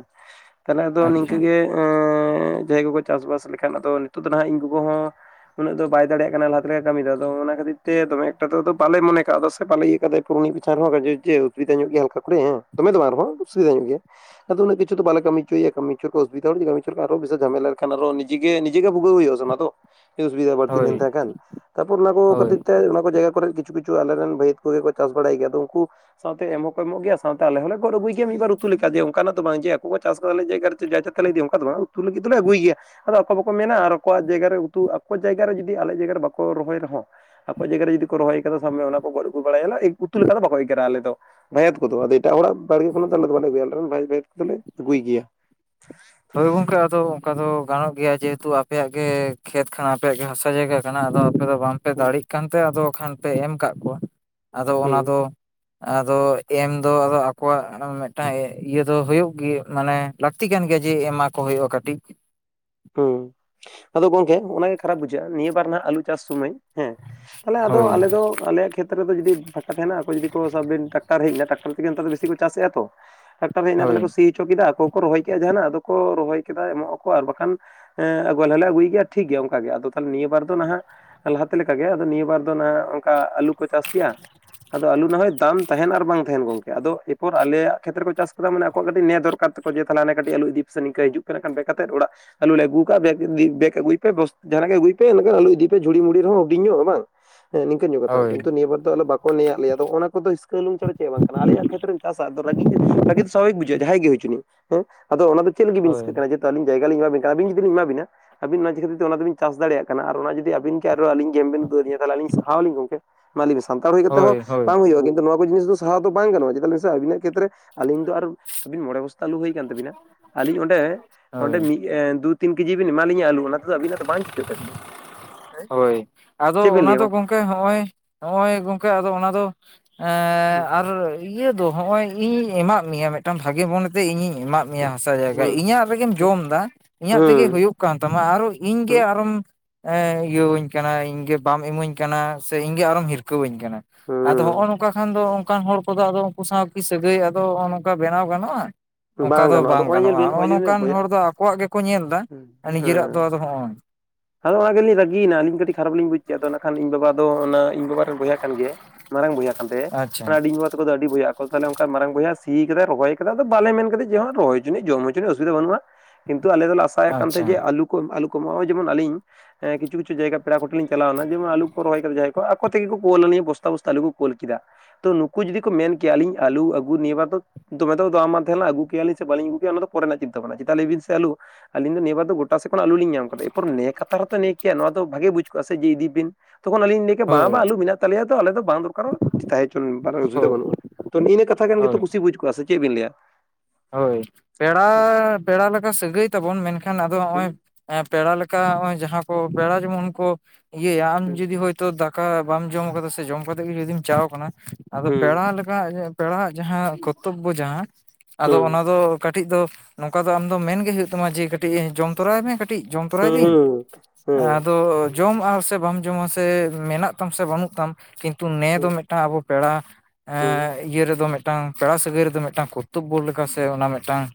ᱛᱟᱦᱚᱞᱮ ᱟᱫᱚ ᱟᱪᱪᱷᱟ ᱱᱤᱝᱠᱟᱹ ᱜᱮ ᱮᱸ ᱡᱟᱦᱟᱸᱭ ᱠᱚᱠᱚ ᱪᱟᱥᱼᱵᱟᱥ ᱞᱮᱠᱷᱟᱡ ᱟᱫᱚ ᱱᱤᱛᱚᱜ ᱫᱚ ᱦᱟᱸᱟᱜ ᱤᱧ ᱜᱚᱜᱚ ᱦᱚᱸ ᱩᱱᱟᱹᱜ ᱫᱚ ᱵᱟᱭ ᱫᱟᱲᱮᱭᱟᱜ ᱠᱟᱱᱟ ᱞᱟᱦᱟ ᱛᱮ ᱞᱮᱠᱟ ᱠᱟᱹᱢᱤ ᱫᱚ ᱟᱫᱚ ᱚᱱᱟ ᱠᱷᱟᱹᱛᱤᱨ ᱛᱮ ᱫᱚᱢᱮ ᱮᱠᱴᱟ ᱫᱚ ᱟᱫᱚ ᱵᱟᱞᱮ ᱢᱚᱱᱮ ᱠᱟᱣᱫᱟ ᱥᱮ ᱵᱟᱞᱮ ᱤᱭᱟᱹ ᱠᱟᱫᱮ᱾ ᱯᱩᱨ ᱢᱤᱜ ᱵᱚᱪᱷᱚᱨ ᱨᱮᱦᱮ *unintelligible* ᱡᱮ ᱚᱥᱵᱤᱫᱟ ᱧᱚᱜ ᱜᱮᱭᱟ ᱦᱟᱞᱠᱟ ᱠᱚᱨᱮ ᱦᱮᱸ, ᱫᱚᱢᱮ ᱫᱚ ᱵᱟᱝ ᱟᱨᱦᱚᱸ ᱚᱥᱩᱵᱤᱫᱟ ᱧᱚᱜ ᱜᱮᱭᱟᱭ᱾ ᱟᱫᱚ ᱩᱱᱟᱹᱜ ᱠᱤᱪᱷᱩ ᱫᱚ ᱵᱟᱞᱟ ᱠᱟᱹᱢᱤ ᱪᱩᱭ-ᱭᱟ, ᱠᱟᱹᱢᱤ ᱚᱪᱚ ᱠᱚ ᱚᱥᱩᱤᱫᱷᱟ ᱦᱚᱲ ᱠᱟᱢᱤ ᱦᱚᱪᱚ ᱞᱮᱠᱷᱟᱱ ᱟᱨᱚ ᱵᱤᱥᱟᱞ ᱡᱷᱟᱢᱮᱞᱟ ᱨᱮ ᱮᱠᱷᱟᱱ ᱟᱨᱚ ᱱᱤᱡᱮ ᱜᱮ ᱱᱤᱡᱮ ᱜᱮ ᱵᱷᱩᱜᱟᱹᱣ ᱦᱩᱭᱩᱜ-ᱟ ᱥᱮ ᱚᱱᱟᱫᱚ᱾ ᱩᱥᱵᱤᱫᱟ ᱵᱟᱹᱲᱛᱤ ᱦᱳᱭ ᱞᱮᱱ ᱛᱟᱭ ᱠᱷᱟᱱ, ᱛᱟᱯᱚᱨ ᱚᱱᱟ ᱠᱚ ᱦᱳᱭ ᱠᱷᱟᱹᱛᱤᱨ ᱛᱮ ᱚᱱᱟ ᱠᱚ ᱡᱟᱭᱜᱟ ᱠᱚᱨᱮᱫ ᱠᱤ ᱪᱷᱩ ᱠᱤᱪᱷᱩ ᱟᱞᱨᱮᱱ ᱵᱷᱟᱹᱭᱟᱹᱛ ᱠᱚᱜᱮ ᱠᱚ ᱪᱟᱥ ᱵᱟᱲᱟᱭ ᱜᱮᱭᱟ, ᱟᱫᱚ ᱩᱱᱠᱩ ᱥᱟᱶᱛᱮ ᱮᱢ ᱦᱚᱸᱠᱚ ᱮᱢᱚᱜ ᱜᱮᱭᱟ, ᱥᱟᱶᱛᱮ ᱟᱞᱮ ᱦᱚᱸᱞᱮ ᱜᱚᱫᱽ ᱟᱹᱜᱩᱭ ᱜᱮᱭᱟ ᱢᱤᱫᱵᱟᱨ ᱩᱛᱩ ᱞᱮᱠᱟ ᱡᱮ ᱚᱱᱠᱟ ᱱᱟᱜ ᱫᱚ ᱵᱟᱝ ᱡᱮ ᱟᱠᱚ ᱠᱚ ᱪᱟᱥ ᱠᱟ ᱟᱞᱮᱭᱟᱜ ᱡᱟᱭᱜᱟ ᱨᱮ᱾ ᱪᱮ ᱡᱟ ᱤᱪᱪᱷᱟᱹ ᱛᱟ ᱞᱮ ᱤᱫᱤᱭᱟ ᱚᱱᱠᱟ ᱫᱚ ᱵᱟᱝ, ᱩᱛᱩ ᱞᱟᱹᱜᱤᱫ ᱫᱚᱞᱮ ᱟᱹᱜᱩᱭ ᱜᱮᱭᱟ᱾ ᱟᱫᱚ ᱟᱠᱚ ᱵᱟᱠᱚ ᱢᱮᱱᱟ ᱟᱨ ᱟᱠᱚᱣᱟᱜ ᱡᱟᱭᱜᱟ ᱨᱮ ᱩᱛᱩ, ᱟᱠᱚᱣᱟᱜ ᱡᱟᱭᱜᱟ ᱨᱮ ᱡᱩᱫᱤ ᱟᱞᱮᱭᱟᱜ ᱡᱟᱭᱜᱟ ᱨᱮ ᱵᱟᱠᱚ ᱨᱚᱦᱚᱭ ᱨᱮᱦᱚᱸ᱾ ᱟᱠᱚᱣᱟᱜ ᱡᱟᱭᱜᱟ ᱨᱮ ᱡᱩᱫᱤ ᱠᱚ ᱨᱚᱦᱚᱭ ᱠᱟᱫᱟ ᱥᱟᱵ ᱢᱮ ᱚᱱᱟᱠᱚ ᱜᱚᱫ ᱟᱜᱩ ᱵᱟᱲᱟᱭᱟ ᱞᱮ ᱮᱣ ᱩᱛᱩ ᱞᱮᱠᱟ ᱫᱚ ᱵᱟᱠᱚ ᱮᱜᱮᱨᱟ ᱟᱞᱮ ᱫᱚ᱾ ᱵᱷᱟᱭᱟᱛ ᱠᱚᱫᱚ ᱟᱫᱚ ᱮᱴᱟᱜ ᱦᱚᱲᱟᱜ ᱵᱟᱲᱜᱮ ᱠᱷᱚᱱᱟᱜ ᱫᱚ ᱟᱞᱮ ᱫᱚ ᱵᱟᱞᱮ ᱟᱜᱩᱭᱟ, ᱟᱞᱮᱨᱮᱱ ᱵᱷᱟᱭ ᱵᱷᱟᱭᱟᱛ ᱠᱚᱫᱚᱞᱮ ᱟᱹᱜᱩᱭ ᱜᱮᱭᱟ᱾ ᱛᱚᱵᱮ ᱜᱚᱝᱠᱮ ᱟᱫᱚ ᱚᱝᱠᱟ ᱫᱚ ᱜᱟᱱᱚᱜ ᱜᱮᱭᱟ, ᱡᱮᱦᱮᱛᱩ ᱟᱯᱮᱭᱟᱜ ᱜᱮ ᱠᱷᱮᱛ ᱠᱷᱟᱱᱟ ᱟᱯᱮᱭᱟᱜ ᱜᱮ ᱦᱟᱥᱟ ᱡᱟᱭᱜᱟ᱾ ᱠᱟᱱᱟ ᱟᱫᱚ ᱟᱯᱮ ᱫᱚ ᱵᱟᱝ ᱯᱮ ᱦᱩᱸ ᱫᱟᱲᱮᱜ ᱠᱟᱱ ᱛᱮ ᱟᱫᱚ ᱠᱷᱟᱱ ᱯᱮ ᱮᱢ ᱠᱟᱜ ᱠᱚᱣᱟ, ᱟᱫᱚ ᱚᱱᱟ ᱦᱩᱸ ᱫᱚ ᱟᱫᱚ ᱮᱢ ᱫᱚ ᱟᱫᱚ ᱟᱠᱚᱣᱟᱜ ᱢᱤᱫᱴᱟᱝ ᱮᱹ ᱤᱭᱟᱹ ᱫᱚ ᱦᱳᱭᱳᱜ ᱜᱮ ᱢᱟᱱᱮ ᱞᱟᱹᱠᱛᱤ ᱠᱟᱱ ᱜᱮᱭᱟ᱾ ᱡᱮ ᱮᱢᱟ ᱠᱚ ᱦᱩᱭᱩᱜᱼᱟ ᱠᱟᱹᱴᱤᱡ᱾ ᱦᱩᱸ, ᱟᱫᱚ ᱜᱚᱝᱠᱮ ᱚᱱᱟ ᱜᱮ ᱠᱷᱟᱨᱟᱯ ᱵᱩᱡᱷᱟᱹᱜᱼᱟ ᱱᱤᱭᱟᱹ ᱵᱟᱨ ᱱᱟᱱᱟᱜ ᱟᱞᱩ ᱪᱟᱥ ᱥᱩᱢᱟᱹᱭ ᱦᱮᱸ, ᱛᱟᱦᱚᱞᱮ ᱟᱫᱚ ᱦᱳᱭ ᱟᱞᱮ ᱫᱚ ᱟᱞᱮᱭᱟᱜ ᱠᱷᱮᱛ ᱛᱨᱮ ᱫᱚ ᱡᱩᱫᱤ ᱯᱷᱟᱸᱠᱟ ᱛᱟᱦᱮᱱᱟ ᱟᱠᱚ ᱡᱩᱫᱤ ᱠᱚ ᱥᱟᱵ ᱵᱤᱱ ᱴᱟᱠᱴᱟᱨ ᱦᱮᱡ ᱱᱟ, ᱴᱟᱠᱴᱟᱨ ᱛᱮᱜᱮ ᱱᱮᱛᱟᱨ ᱫᱚ ᱵᱤᱥᱤ ᱠᱚ ᱪᱟᱥᱮᱜᱼᱟ ᱛᱚ᱾ ᱴᱟᱠᱴᱟᱨ ᱦᱮᱡ ᱱᱟ ᱛᱟᱦᱚᱞᱮ ᱦᱳᱭ ᱠᱚ ᱥᱤ ᱦᱚᱪᱚ ᱠᱮᱫᱟ, ᱟᱠᱚ ᱜᱮᱠᱚ ᱨᱚᱦᱚᱭ ᱠᱮᱼᱟ ᱡᱟᱦᱟᱱᱟᱜ, ᱟᱫᱚ ᱠᱚ ᱨᱚᱦᱚᱭ ᱠᱮᱫᱟ ᱮᱢᱚᱜ ᱟᱠᱚ ᱟᱨ ᱵᱟᱠᱷᱟᱱ ᱦᱮᱸ ᱟᱜᱩ ᱟᱞᱮᱞᱮ ᱟᱹᱜᱩᱭ ᱜᱮᱭᱟ ᱴᱷᱤᱠ ᱜᱮᱭᱟ ᱚᱱᱠᱟ ᱜᱮ, ᱟᱫᱚ ᱛᱟᱞᱦᱮ ᱱᱤᱭᱟᱹ ᱵᱟᱨ ᱫᱚ ᱱᱟᱦᱟᱜ ᱞᱟᱦᱟᱛᱮ ᱞᱮᱠᱟ ᱜᱮ ᱟᱫᱚ ᱱᱤᱭᱟᱹ ᱵᱟᱨ ᱫᱚ ᱱᱟᱸᱜ ᱚᱝᱠᱟ ᱟᱞᱩ ᱠᱚ ᱪᱟᱥ ᱠᱮ-ᱟ᱾ ᱟᱫᱚ ᱟᱞᱩ ᱱᱟᱦᱚᱭ ᱫᱟᱢ ᱛᱟᱦᱮᱱ, ᱟᱨ ᱵᱟᱝ ᱛᱟᱦᱮᱱ ᱜᱚᱝᱠᱮ, ᱟᱫᱚ ᱮᱯᱚᱨ ᱟᱞᱮᱭᱟᱜ ᱠᱷᱮᱛ ᱨᱮᱠᱚ ᱪᱟᱥ ᱠᱟᱫᱟ ᱢᱟᱱᱮ ᱟᱠᱚᱣᱟᱜ ᱠᱟᱹᱴᱤᱡ ᱱᱮ ᱫᱚᱨᱠᱟᱨ ᱛᱟᱠᱚ ᱡᱮ ᱛᱟᱦᱚᱞᱮ ᱟᱞᱮ ᱠᱟᱴᱤᱡ ᱟᱞᱩ ᱤᱫᱤ ᱯᱮᱥᱮ ᱱᱤᱝᱠᱟᱹ ᱦᱤᱡᱩᱜ ᱯᱮ ᱱᱟᱜᱼᱠᱷᱟᱱ ᱠᱮᱠ ᱟᱛᱮᱫ ᱚᱲᱟᱜ᱾ ᱟᱞᱩ ᱞᱮ ᱟᱹᱜᱩᱣ ᱠᱟᱜᱼᱟ ᱵᱮᱜ ᱤᱫᱤ ᱵᱮᱜ ᱟᱹᱜᱩᱭ ᱯᱮ ᱵᱚᱥ ᱡᱟᱦᱟᱱᱟᱜ ᱜᱮ ᱟᱹᱜᱩᱭ ᱯᱮ ᱮᱸᱰᱮ ᱠᱷᱟᱱ ᱟᱞᱩ ᱤᱫᱤ ᱯᱮ ᱡᱷᱩᱲᱤ ᱢᱩᱲᱤ ᱨᱮᱦᱚᱸ ᱦᱩᱰᱤᱧ ᱧᱚᱜ ᱵᱟᱝ᱾ ᱦᱳᱭ ᱱᱤᱝᱠᱟᱹᱱ ᱧᱚᱜ ᱠᱟᱛᱷᱟ, ᱦᱳᱭ ᱠᱤᱱᱛᱩ ᱱᱤᱭᱟᱹ ᱵᱟᱨ ᱫᱚ ᱟᱞᱮ ᱵᱟᱠ ᱠᱚ ᱱᱮᱭᱟᱜ ᱞᱮᱭᱟ, ᱟᱫᱚ ᱚᱱᱟ ᱠᱚᱫᱚ ᱦᱤᱥᱠᱟᱹ ᱦᱩᱱᱩᱝ ᱪᱷᱟᱲᱟ ᱪᱮᱫ ᱦᱚᱸ ᱵᱟᱝ ᱠᱟᱱᱟ, ᱟᱞᱮᱭᱟᱜ ᱠᱷᱮᱛᱨᱮᱢ ᱪᱟᱥᱟ ᱟᱫᱚ ᱨᱟᱜᱤ ᱜᱮ ᱨᱟᱜᱤ ᱫᱚ ᱥᱟᱵᱷᱟᱵᱤᱠ ᱵᱩᱡᱷᱟᱹᱜ ᱡᱟᱦᱟᱸᱭ ᱜᱮ ᱦᱩᱭᱪᱩᱱᱤᱡ, ᱦᱮᱸ ᱟᱫᱚ ᱚᱱᱟᱫᱚ ᱪᱮᱫ ᱞᱟᱹᱜᱤᱫ ᱵᱤᱱ ᱦᱳᱭ ᱦᱤᱥᱠᱟᱹᱜ ᱠᱟᱱᱟ ᱡᱮᱦᱩᱛᱩ ᱟᱞᱤᱧ ᱡᱟᱭᱜᱟ ᱞᱤᱧ ᱮᱢᱟᱵᱤᱱ ᱟᱹᱵᱤᱱ ᱡᱩᱫᱤ ᱞᱤᱧ ᱮᱢᱟ ᱵᱮᱱᱟ᱾ ᱟᱹᱵᱤᱱ ᱚᱱᱟ ᱪᱤᱜ ᱠᱷᱟᱹᱛᱤᱨ ᱛᱮ ᱚᱱᱟ ᱫᱚᱵᱤᱱ ᱪᱟᱥ ᱫᱟᱲᱮᱭᱟᱜ ᱠᱟᱱᱟ ᱟᱨ ᱡᱩᱫᱤ ᱟᱵᱤᱱ ᱠᱮ ᱟᱨᱚ ᱟᱞᱤᱧ ᱜᱷᱮᱢᱵᱤᱱ ᱩᱫᱩᱜ ᱟᱫᱤᱧᱟ, ᱛᱟᱦᱚᱞᱮ ᱟᱞᱤᱧ ᱥᱟᱣ ᱞᱤᱧ ᱜᱚᱝᱠᱮ? ᱢᱟᱹ ᱞᱟᱹᱭᱵᱮ ᱥᱟᱱᱛᱟᱲ ᱦᱩᱭ ᱠᱟᱛᱮ ᱦᱚᱸ ᱦᱳᱭ ᱦᱳᱭ ᱵᱟᱝ ᱦᱩᱭᱩᱜᱼᱟ ᱠᱤᱱᱛᱩ ᱱᱚ ᱠᱚ ᱡᱤᱱᱤᱥ ᱫᱚ ᱥᱟᱦᱟᱣ ᱫᱚ ᱵᱟᱝ ᱜᱟᱱᱚᱜᱼᱟ, ᱪᱮᱫᱟᱜ ᱞᱟᱹᱭ ᱢᱮᱥᱮ ᱟᱵᱤᱱᱟᱜ ᱠᱷᱮᱛ ᱨᱮ ᱟᱞᱤᱧ ᱫᱚ ᱟᱨ ᱟᱵᱤᱱ ᱢᱚᱲᱮ ᱵᱚᱥ ᱛᱟ ᱟᱞᱩ ᱦᱩᱭᱠᱟᱱ ᱛᱟᱵᱤ ᱱᱟ, ᱟᱹᱞᱤᱧ ᱚᱸᱰᱮ ᱦᱳᱭ ᱱᱚᱰᱮ ᱢᱤᱫ ᱮ ᱫᱩ ᱛᱤᱱ ᱠᱮᱡᱤ ᱵᱮᱱ ᱮᱢᱟ ᱞᱤᱧᱟᱹ ᱟᱹᱞᱩ ᱚᱱᱟ ᱛᱮᱫᱚ ᱟᱹᱵᱤᱱᱟᱜ ᱫᱚ ᱵᱟᱝ ᱪᱤᱠᱟᱹᱜ ᱛᱟᱹᱵᱤᱱᱟ᱾ ᱦᱮᱸ ᱦᱳᱭ, ᱪᱮᱫ ᱟᱫᱚ ᱵᱤᱱ ᱚᱱᱟ ᱞᱟᱹᱭᱟ ᱫᱚ ᱜᱚᱝᱠᱮ ᱜᱚᱝ ᱠᱮ ᱦᱚᱸᱼᱚᱭ, ᱦᱚᱸᱼᱚᱭ ᱜᱚᱝᱠᱮ ᱟᱫᱚ ᱚᱱᱟ ᱫᱚ ᱮᱸ ᱦᱩᱸ ᱟᱨ ᱤᱭᱟᱹ ᱫᱚ ᱦᱚᱸᱼᱚᱭ ᱤᱧᱤᱧ ᱮᱢᱟᱜ ᱢᱮᱭᱟ ᱢᱮᱜᱴᱟᱝ ᱵᱷᱟᱜᱮ ᱢᱚᱱᱮᱛᱮ ᱤᱧᱤᱧ ᱮᱢᱟᱜ ᱢᱮᱭᱟ ᱦᱟᱥᱟ ᱡᱟᱭᱜᱟ, ᱦᱩᱸ ᱤᱧᱟᱹᱜ ᱨᱮᱜᱮᱢ ᱡᱚᱢ ᱫᱟ ᱤᱧᱟᱹᱜ ᱛᱮᱜᱮ ᱦᱳᱭᱳᱜ ᱠᱟᱱ ᱛᱟᱢᱟ ᱟᱨᱚ ᱤᱧ ᱜᱮ ᱟᱨᱚᱢ ᱮ ᱤᱭᱟᱹᱣᱟᱹᱧ ᱠᱟᱱᱟ ᱤᱧᱜᱮ ᱵᱟᱢ ᱤᱢᱟᱹᱧ ᱠᱟᱱᱟ ᱥᱮ ᱤᱧᱜᱮ ᱟᱨᱚᱢ ᱦᱤᱨᱠᱟᱹᱣᱟᱹᱧ ᱠᱟᱱᱟ, ᱟᱫᱚ ᱦᱚᱼᱚ ᱦᱩᱸ ᱱᱚᱝᱠᱟ ᱠᱷᱟᱱ ᱫᱚ ᱚᱝᱠᱟᱱ ᱦᱚᱲ ᱠᱚᱫᱚ ᱟᱫᱚ ᱩᱱᱠᱩ ᱥᱟᱶ ᱠᱤ ᱥᱟᱹᱜᱟᱹᱭ ᱟᱫᱚ ᱦᱚᱸ-ᱚ ᱱᱚᱝᱠᱟ ᱵᱮᱱᱟᱣ ᱜᱟᱱᱚᱜᱼᱟ? ᱦᱩᱸ ᱚᱝᱠᱟ ᱫᱚ ᱟᱫᱚ ᱵᱟᱝ ᱱᱚᱜᱼᱚᱭ ᱧᱮᱞ ᱜᱟᱱᱚᱜᱼᱟ, ᱵᱤᱱ ᱦᱚᱼᱚ ᱱᱚᱜᱼᱚᱭ ᱡᱮ ᱱᱚᱠᱟᱱ ᱵᱚᱭᱦᱟᱜᱼᱟ ᱦᱚᱲ ᱫᱚ ᱟᱠᱚᱣᱟᱜ ᱜᱮᱠᱚ ᱧᱮᱞ ᱫᱟ, ᱦᱩᱸ ᱱᱤᱡᱮᱨᱟᱜ ᱫᱚ ᱟᱫᱚ ᱦᱚᱸᱼᱚᱭ᱾ ᱟᱫᱚ ᱚᱱᱟ ᱜᱮᱞᱤᱧ ᱨᱟᱹᱜᱤᱭᱱᱟ, ᱟᱹᱞᱤᱧ ᱠᱟᱹᱴᱤᱡ ᱠᱷᱟᱨᱟᱯ ᱞᱤᱧ ᱵᱩᱡᱽ ᱪᱮᱫᱚ ᱱᱟᱠᱷᱟᱱ ᱤᱧ ᱵᱟᱵᱟ ᱫᱚ ᱚᱱᱟ ᱤᱧ ᱵᱟᱵᱟ ᱨᱮᱱ ᱵᱚᱭᱦᱟ ᱠᱟᱱ ᱜᱮᱭᱟᱭ᱾ ᱢᱟᱲᱟᱝ ᱵᱚᱭᱦᱟ ᱠᱟᱱ ᱛᱟᱭᱟᱭ, ᱟᱪᱪᱷᱟ ᱟᱰᱤᱧ ᱵᱟᱵᱟ ᱛᱟᱠᱚ ᱫᱚ ᱟᱹᱰᱤ ᱵᱚᱭᱦᱟ ᱠᱚ ᱛᱟᱦᱚᱞᱮ ᱚᱝᱠᱟ ᱢᱟᱨᱟᱝ ᱵᱚᱭᱦᱟ ᱥᱤ ᱠᱟᱫᱟ, ᱨᱚᱵᱚᱭ ᱠᱟᱫᱟ ᱟᱫᱚ ᱵᱟᱞᱮ ᱢᱮᱱ ᱠᱟᱫᱮ ᱪᱮᱜ ᱦᱚᱸ ᱨᱚᱦᱚᱭ ᱪᱚᱱᱤᱡ ᱡᱚᱢ ᱦᱚᱪᱚᱱᱤᱡ ᱚᱥᱩᱵᱤᱫᱟ ᱵᱟᱹᱱᱩᱜᱼᱟ᱾ ᱠᱤᱱᱛᱩ ᱟᱞᱮ ᱫᱚᱞᱮ ᱟᱥᱟᱭᱮᱜ ᱠᱟᱱ ᱛᱟᱦᱮᱸ ᱟᱪᱪᱷᱟ ᱡᱮ ᱟᱞᱩ ᱠᱚᱢ ᱟᱞᱩ ᱠᱚ ᱠᱟᱢ ᱚᱜᱼᱚᱭᱡᱮᱢᱚᱱ ᱟ ᱞᱤᱧ ᱮ ᱠᱤᱪᱷᱩ ᱠᱤᱪᱷᱩ ᱡᱟᱭᱜᱟ ᱯᱮᱲᱟ ᱠᱚᱷᱮᱱ ᱞᱤᱧ ᱪᱟᱞᱟᱣᱱᱟ ᱡᱮᱢᱚᱱ ᱟᱞᱩ ᱠᱚ ᱨᱚᱦᱚᱭ ᱠᱟᱫᱟ ᱡᱟᱭ ᱦᱳᱠ ᱟᱠᱩ ᱛᱮᱜᱮ ᱠᱚ ᱠᱳᱞ ᱟᱞᱤᱧᱟ ᱵᱚᱥᱛᱟ ᱵᱚᱥᱛᱟ ᱟᱩ ᱠᱚ ᱠᱳᱞ ᱠᱮᱫᱟ ᱛᱚ ᱱᱩᱠᱩ ᱡᱩᱫᱤ ᱠᱚ ᱢᱮᱱ ᱠᱮᱭᱟ ᱟᱹᱞᱤᱧ ᱟᱹᱞᱩ ᱟᱹᱜᱩ ᱱᱤᱭᱟᱹ ᱵᱟᱨ ᱫᱚ᱾ ᱫᱚᱢᱮ ᱫᱚ ᱫᱟᱢ ᱵᱟᱝ ᱛᱟᱸᱦᱮᱞᱮᱱᱟ ᱟᱹᱜᱩ ᱠᱮᱭᱟᱞᱤᱧ ᱥᱮ ᱵᱟᱞᱤᱧ ᱟᱹᱜᱩ ᱠᱮᱭᱟ ᱚᱱᱟᱫᱚ ᱯᱚᱨᱮᱱᱟᱜ ᱪᱤᱱᱛᱟᱹ ᱵᱷᱟᱵᱱᱟ ᱪᱮᱫᱟᱜ ᱞᱟᱹᱭ ᱵᱤᱱ ᱥᱮ ᱟᱞᱩ ᱾ ᱟᱹᱞᱤᱧ ᱫᱚ ᱱᱤᱭᱟᱹᱵᱟᱨ ᱫᱚ ᱜᱚᱴᱟ ᱥᱮᱫ ᱠᱷᱚᱱ ᱟᱞᱩ ᱞᱤᱧ ᱧᱟᱢ ᱠᱟᱫᱟ᱾ ᱱᱮ ᱠᱟᱛᱷᱟ ᱨᱮᱛᱚ ᱱᱮ ᱠᱮᱭᱟ ᱱᱚᱣᱟ ᱫᱚ ᱵᱷᱟᱜᱤ ᱵᱩᱡ ᱠᱚᱜᱼᱟ ᱥᱮ, ᱡᱮ ᱤᱫᱤ ᱵᱤᱱ ᱛᱚᱠᱷᱚᱱ ᱟᱹᱞᱤᱧ ᱞᱟᱹᱭ ᱵᱟ, ᱵᱟ, ᱦᱳᱭ ᱟᱞᱩ ᱢᱮᱱᱟᱜ ᱛᱟᱞᱮᱭᱟ ᱛᱚ, ᱟᱞᱮ ᱫᱚ ᱵᱟᱝ ᱫᱚᱨᱠᱟᱨᱚᱜ, ᱛᱟᱦᱮ ᱚᱪᱣᱟᱱ ᱚᱥᱩᱵᱤᱫᱷᱟ ᱦᱳᱭ ᱵᱟᱹᱱᱩᱜᱼᱟ᱾ ᱛᱚ ᱱᱤᱭᱟᱹ ᱠᱟᱛᱷᱟ ᱠᱟᱱ ᱜᱮᱛᱚ, ᱦᱳᱭ ᱠᱩᱥᱤ ᱵᱩᱡᱽ ᱠᱚᱜᱣᱟ ᱥᱮ ᱪᱮᱫ ᱵᱤᱱ ᱞᱟᱹᱭᱟ? ᱦᱳᱭ, ᱯᱮᱲᱟ ᱯᱮᱲᱟ ᱞᱮᱠᱟ ᱥᱟᱹᱜᱟᱹᱭ ᱛᱟᱵᱚᱱ, ᱢᱮᱱᱠᱷᱟᱱ ᱟᱫᱚ ᱦᱩᱸ ᱱᱚᱜᱼᱚᱭ ᱮᱸ ᱯᱮᱲᱟ ᱞᱮᱠᱟ ᱱᱚᱜᱚᱭ ᱡᱟᱦᱟᱸ ᱠᱚ ᱯᱮᱲᱟ ᱡᱮᱢᱚᱱ ᱠᱚ ᱤᱭᱟᱹᱭᱟ ᱟᱢ ᱦᱩᱸ ᱡᱩᱫᱤ ᱦᱳᱭᱼᱼ ᱛᱚ ᱫᱟᱠᱟ ᱵᱟᱢ ᱡᱚᱢ ᱠᱟᱫᱟ ᱥᱮ, ᱡᱚᱢ ᱠᱟᱛᱮᱜ ᱜᱮ ᱡᱩᱫᱤᱢ ᱪᱟᱣ ᱠᱟᱱᱟ, ᱟᱫᱚ ᱦᱩᱸ ᱯᱮᱲᱟ ᱞᱮᱠᱟ ᱯᱮᱲᱟᱣᱟᱜ ᱡᱟᱦᱟᱸ, ᱠᱚᱨᱛᱚᱵᱽᱵᱚ ᱡᱟᱦᱟᱸ ᱟᱫᱚ ᱦᱩᱸ ᱚᱱᱟ ᱫᱚ ᱠᱟᱹᱴᱤᱡ ᱫᱚ ᱱᱚᱝᱠᱟ ᱫᱚ ᱟᱢ ᱫᱚ, ᱢᱮᱱᱜᱮ ᱦᱳᱭᱳᱜ ᱛᱟᱢᱟ ᱡᱮ, ᱠᱟᱹᱴᱤᱡ ᱡᱚᱢ ᱛᱚᱨᱟᱭ ᱢᱮ? ᱠᱟᱴᱤᱡ ᱡᱚᱢᱛᱚᱨᱟᱭ ᱦᱩᱸ ᱦᱩᱸ ᱵᱤᱱ? ᱦᱩᱸ ᱦᱩᱸ ᱟᱫᱚ ᱡᱚᱢ ᱟᱢ ᱥᱮ, ᱵᱟᱢ ᱡᱚᱢᱟ ᱥᱮ, ᱢᱮᱱᱟᱜ ᱛᱟᱢ ᱥᱮ, ᱵᱟᱹᱱᱩᱜ ᱛᱟᱢ ᱠᱤᱱ ᱛᱩ ᱱᱮ ᱦᱩᱸ ᱫᱚ ᱢᱤᱜᱴᱟᱝ ᱟᱵᱚ ᱯᱮᱲᱟ, ᱦᱩᱸ ᱮᱸ ᱤᱭᱟᱹ ᱨᱮᱫᱚ ᱢᱤᱜᱴᱟᱝ ᱯᱮᱲᱟ ᱥᱟᱹᱜᱟᱹᱭ ᱨᱮᱫᱚ ᱢᱤᱫᱴᱟᱝ ᱠᱳ ᱛᱩᱯᱩ ᱞᱮᱠᱟ ᱥᱮ ᱚᱱᱟ ᱢᱤᱜᱴᱟᱝ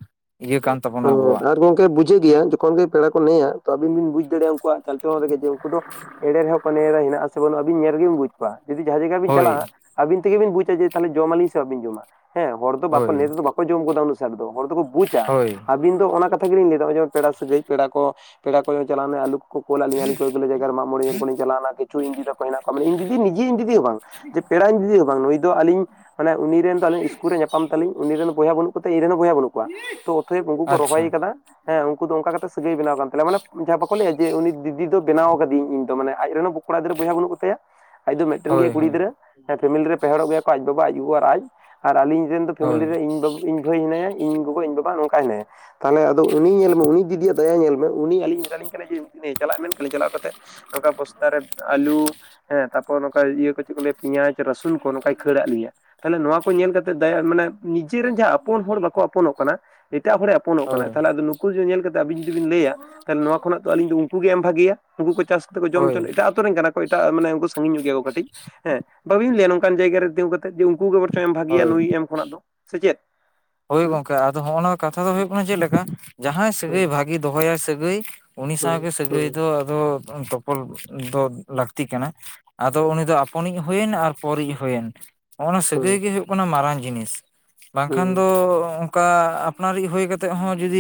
ᱦᱸ, ᱟᱨ ᱜᱚᱝ ᱜᱮ ᱵᱩᱡᱷᱟᱹ ᱜᱮᱭᱟ, ᱡᱚᱠᱷᱚᱱ ᱜᱮ ᱯᱮᱲᱟ ᱠᱚ ᱱᱮᱭᱟ, ᱛᱚ ᱟᱵᱤᱱ ᱵᱤᱱ ᱵᱩᱡ ᱫᱟᱲᱮᱭᱟ ᱩᱱᱠᱩᱣᱟᱜ ᱪᱟᱞ ᱪᱚᱞᱚᱱ ᱨᱮᱜᱮ, ᱡᱮ ᱩᱱᱠᱩ ᱫᱚ ᱮᱲᱮ ᱨᱮᱦᱚᱸ ᱠᱚ ᱞᱟᱹᱭᱟᱫᱟ ᱦᱮᱱᱟᱜᱼᱟ, ᱥᱮ ᱵᱟᱹᱱᱩᱜᱼᱟ ᱟᱹᱵᱤᱱ ᱧᱮᱞ ᱨᱮᱜᱮᱵᱤᱱ ᱵᱩᱡ᱾ ᱵᱟ ᱡᱩᱫᱤ ᱡᱟᱦᱟᱸ ᱡᱟᱭᱜᱟ ᱵᱤᱱ ᱦᱳᱭ ᱪᱟᱞᱟᱜᱼᱟ ᱟᱵᱤᱱ ᱛᱮ ᱜᱮ ᱵᱤᱱ ᱵᱩᱡᱟ ᱡᱮ ᱛᱟᱦᱚᱞᱮ ᱡᱚᱢ ᱟᱹᱞᱤᱧ ᱥᱮ ᱵᱟᱵᱤᱱ ᱡᱚᱢᱟ ᱦᱮᱸ ᱦᱚᱲ ᱫᱚ ᱵᱟᱠᱚ ᱱᱮ ᱦᱳᱭ ᱨᱮᱫᱚ ᱵᱟᱠᱚ ᱡᱚᱢ ᱜᱚᱫᱟ, ᱩᱱᱩᱜ ᱩᱥᱟᱹᱨᱟ ᱫᱚ ᱦᱚᱲ ᱫᱚᱠᱚ ᱵᱩᱡᱟ᱾ ᱦᱳᱭ᱾ ᱟᱹᱵᱤᱱ ᱫᱚ ᱚᱱᱟ ᱠᱟᱛᱷᱟ ᱜᱮᱞᱤᱧ ᱞᱟᱹᱭᱫᱟ, ᱱᱚᱜ ᱚᱭ ᱯᱮᱲᱟ ᱥᱟᱹᱜᱟᱹᱭ, ᱯᱮᱲᱟ ᱠᱚ ᱯᱮᱲᱟ ᱠᱚ ᱡᱮ ᱪᱟᱞᱟᱣᱱᱟ ᱟᱞᱩ ᱠᱚᱠᱚ ᱠᱳᱞᱟᱜ ᱞᱤᱧᱟ ᱠᱚ *unintelligible* ᱡᱟᱭᱜᱟ ᱨᱮ ᱢᱟᱜ ᱢᱚᱬᱮ ᱧᱮᱞ ᱠᱚᱞᱤᱧ ᱪᱟᱞᱟᱣᱱᱟ ᱠᱤᱪᱷᱩ ᱤᱧ ᱫᱤᱫᱟ ᱛᱟᱠᱚ ᱦᱮᱱᱟᱜ ᱠᱚᱣᱟ ᱢᱟᱱᱮ ᱤᱧ ᱫᱤᱫᱤ ᱱᱤᱡᱮ ᱤᱧ ᱫᱤᱫᱤ ᱦᱚᱸ ᱵᱟᱝᱼᱼ ᱡᱮ ᱯᱮᱲᱟ ᱤᱧ ᱫᱤᱫᱤ ᱦᱚᱸ ᱵᱟᱝ, ᱱᱩᱭ ᱫᱚ ᱟᱞᱤᱧ ᱢᱟᱱᱮ ᱩᱱᱤ ᱨᱮᱱ ᱫᱚ ᱟᱞᱤᱧ ᱤᱥᱠᱩᱞ ᱨᱮ ᱧᱟᱯᱟᱢ ᱛᱟᱹᱞᱤᱧ, ᱩᱱᱤ ᱨᱮᱱ ᱵᱚᱭᱟ ᱵᱟᱹᱱᱩᱜ ᱤᱧᱮᱱ ᱦᱚᱸ ᱵᱚᱭᱦᱟ ᱵᱟᱹᱱᱩᱜ ᱠᱚᱣᱟ, ᱛᱚ ᱚᱛᱷᱚᱭᱮᱵ ᱩᱱᱠᱩ ᱠᱚ ᱟᱪᱪᱷᱟ ᱨᱚᱦᱚᱭ ᱠᱟᱫᱟ᱾ ᱦᱮᱸ ᱩᱱᱠᱩ ᱫᱚ ᱚᱱᱠᱟ ᱠᱟᱛᱮᱜ ᱥᱟᱹᱜᱟᱹᱭ ᱵᱮᱱᱟᱣ ᱠᱟᱱ ᱛᱟᱞᱮᱭᱟ, ᱢᱟᱱᱮ ᱡᱟᱦᱟᱸᱭ ᱵᱟᱠᱚ ᱞᱟᱹᱭᱟ ᱡᱮ ᱩᱱᱤ ᱫᱤᱫᱤ ᱫᱚ ᱵᱮᱱᱟᱣ ᱠᱟᱫᱤᱭᱟᱹᱧ ᱤᱧ ᱫᱚ ᱢᱟᱱᱮ ᱟᱡ ᱨᱮᱱ ᱠᱚᱲᱟ ᱜᱤᱫᱽᱨᱟᱹ ᱵᱚᱭᱦᱟ ᱵᱟᱹᱱᱩᱜ ᱠᱚᱛᱟᱭᱟ, ᱟᱡ ᱫᱚ ᱢᱤᱫᱴᱮᱱ ᱦᱳᱭ ᱜᱮ ᱠᱩᱲᱤ ᱦᱳᱭ ᱜᱤᱫᱽᱨᱟᱹ, ᱯᱷᱮᱢᱮᱞᱤ ᱨᱮ ᱯᱮ ᱦᱚᱲᱚᱜ ᱜᱮᱭᱟ ᱠᱚ ᱟᱡ ᱵᱟᱵᱟ ᱟᱡ ᱜᱚᱜᱚ ᱟᱨ ᱟᱡ᱾ ᱟᱨ ᱟᱞᱤᱧ ᱨᱮᱱ ᱫᱚ, ᱯᱷᱮᱢᱮᱞᱤ ᱦᱳᱭ ᱨᱮ ᱤᱧ, ᱤᱧ ᱵᱷᱟᱹᱭ ᱦᱱᱟᱭᱟ ᱤᱧ ᱜᱚᱜᱚ ᱤᱧ ᱵᱟᱵᱟ᱾ ᱵᱟᱝ ᱱᱚᱝᱠᱟᱭ ᱢᱮ ᱛᱟᱦᱚᱞᱮ ᱟᱫᱚ ᱩᱱᱤ ᱧᱮᱞ ᱢᱮ ᱩᱱᱤ ᱫᱤᱫᱤᱭᱟᱜ ᱫᱟᱭᱟ ᱧᱮᱞ ᱢᱮ ᱩᱱᱤ ᱟᱞᱤᱧ ᱢᱮᱛᱟ ᱞᱤᱧ ᱠᱟᱱᱟᱭ ᱡᱮ *unintelligible* ᱪᱟᱞᱟᱜ ᱢᱮᱱ ᱠᱟᱱᱟᱤᱧ ᱪᱟᱞᱟᱜᱣ ᱠᱟᱛᱮᱜ ᱱᱚᱝᱠᱟ ᱵᱚᱥᱛᱟ ᱨᱮ ᱟᱞᱩ, ᱦᱮᱸ ᱛᱟᱯᱚᱨ ᱱᱚᱝᱠᱟ ᱤᱭᱟᱹ ᱠᱚ ᱪᱮᱫ ᱠᱚ ᱞᱟᱹᱭᱟ ᱯᱮᱭᱟᱡ᱾ ᱨᱟᱹᱥᱩᱱ ᱠᱚ, ᱱᱚᱝᱠᱟᱭ ᱠᱷᱟᱹᱲ ᱟᱫ ᱞᱤᱭᱟᱹ᱾ ᱛᱟᱦᱚᱞᱮ ᱱᱚᱣᱟ ᱠᱚ ᱧᱮᱞ ᱠᱟᱛᱮᱜ ᱫᱟᱭᱟ, ᱢᱟᱱᱮ ᱱᱤᱡᱮᱨᱮᱱ ᱡᱟᱦᱟᱸ ᱟᱯᱚᱱ ᱦᱚᱲ ᱵᱟᱠᱚ ᱟᱯᱚᱱᱚᱜ ᱠᱟᱱᱟ, ᱮᱴᱟᱜ ᱦᱚᱲᱮ ᱟᱯᱚᱱ ᱯᱚᱱᱚᱜ ᱦᱳᱭ ᱠᱟᱱᱟᱭ ᱛᱟᱦᱚᱱᱮ ᱟᱫᱚ ᱱᱩ ᱩᱱᱠᱩ ᱧᱮᱞ ᱠᱟᱛᱮᱜ ᱟᱵᱤᱱ ᱡᱩᱫᱤ ᱵᱤᱱ ᱞᱟᱹᱭᱟ, ᱛᱟᱦᱚᱞᱮ ᱱᱚᱶᱟ ᱠᱷᱚᱱᱟᱜ ᱫᱚ ᱟᱞᱤᱧ ᱫᱚ ᱩᱱᱠᱩ ᱜᱮ ᱮᱢ ᱵᱷᱟᱜᱮᱭᱟ, ᱱᱩᱠᱩ ᱠᱚ ᱪᱟᱥ ᱡᱚᱢ ᱦᱳᱭ ᱪᱚᱱ ᱮᱴᱟᱜ ᱟᱛᱳ ᱨᱮᱱ ᱠᱟᱱᱟ ᱠᱚ, ᱮᱴᱟᱜ ᱢᱟᱱᱮ ᱩᱱᱠᱩ ᱥᱟᱺᱜᱤᱧ ᱧᱚᱜ ᱜᱮᱭᱟ ᱠᱚ ᱠᱟᱹᱴᱤᱡ, ᱦᱮᱸ ᱵᱟᱹᱵᱤᱱ ᱞᱟᱹᱭᱟ ᱱᱚᱝ ᱚᱱᱠᱟᱱ ᱡᱟᱭᱜᱟ ᱨᱮ ᱛᱤᱸᱜᱩ ᱠᱟᱛᱮᱫ ᱡᱮ ᱩᱱᱠᱩ ᱜᱮ ᱵᱚᱨᱪᱚᱝ ᱮᱢ ᱵᱷᱟᱹᱜᱮᱭᱟ ᱦᱳᱭ ᱱᱩᱭ ᱮᱢ ᱠᱷᱚᱱᱟᱜ ᱫᱚ ᱥᱮ ᱪᱮᱫ ᱦᱳᱭ ᱦᱩᱸ ᱜᱚᱝᱠᱮ ᱟᱫᱚ ᱦᱚᱜᱱ ᱱᱚᱶᱟ ᱠᱟᱛᱷᱟ ᱫᱚ ᱦᱳᱭᱳᱜ ᱠᱟᱱᱟ ᱪᱮᱫ ᱞᱮᱠᱟ, ᱡᱟᱦᱟᱸᱭ ᱥᱟᱹᱜᱟᱹᱭ ᱦᱩᱸ ᱵᱷᱟᱜᱤ ᱫᱚᱦᱚᱟᱭ ᱥᱟᱹᱜᱟᱹᱭ ᱩᱱᱤ ᱥᱟᱶ ᱦᱩᱸ ᱜᱮ ᱥᱟᱹᱜᱟᱹᱭ ᱦᱩᱸ ᱫᱚ ᱟᱫᱚ ᱛᱚᱯᱚᱞ ᱫᱚ ᱞᱟᱹᱠᱛᱤ ᱠᱟᱱᱟ ᱟᱫᱚ ᱩᱱᱤ ᱫᱚ ᱟᱯᱚᱱᱤᱡ ᱦᱩᱭ ᱮᱱ ᱟᱨ ᱯᱚᱨᱤᱡ ᱦᱩᱭᱮᱱ ᱱᱚᱜᱼᱱᱚᱣᱚ ᱦᱩᱸ ᱥᱟᱹᱜᱟᱹᱭ ᱜᱮ ᱦᱩᱭᱩᱜ ᱠᱟᱱᱟ ᱢᱟᱨᱟᱝ ᱡᱤᱱᱤᱥᱼᱼ ᱠᱷᱟᱱ ᱦᱩᱸ ᱫᱚ ᱚᱝᱠᱟ ᱟᱯᱱᱟᱨᱤᱡ ᱦᱳᱭ ᱠᱟᱛᱮ ᱦᱚᱸ, ᱡᱩᱫᱤ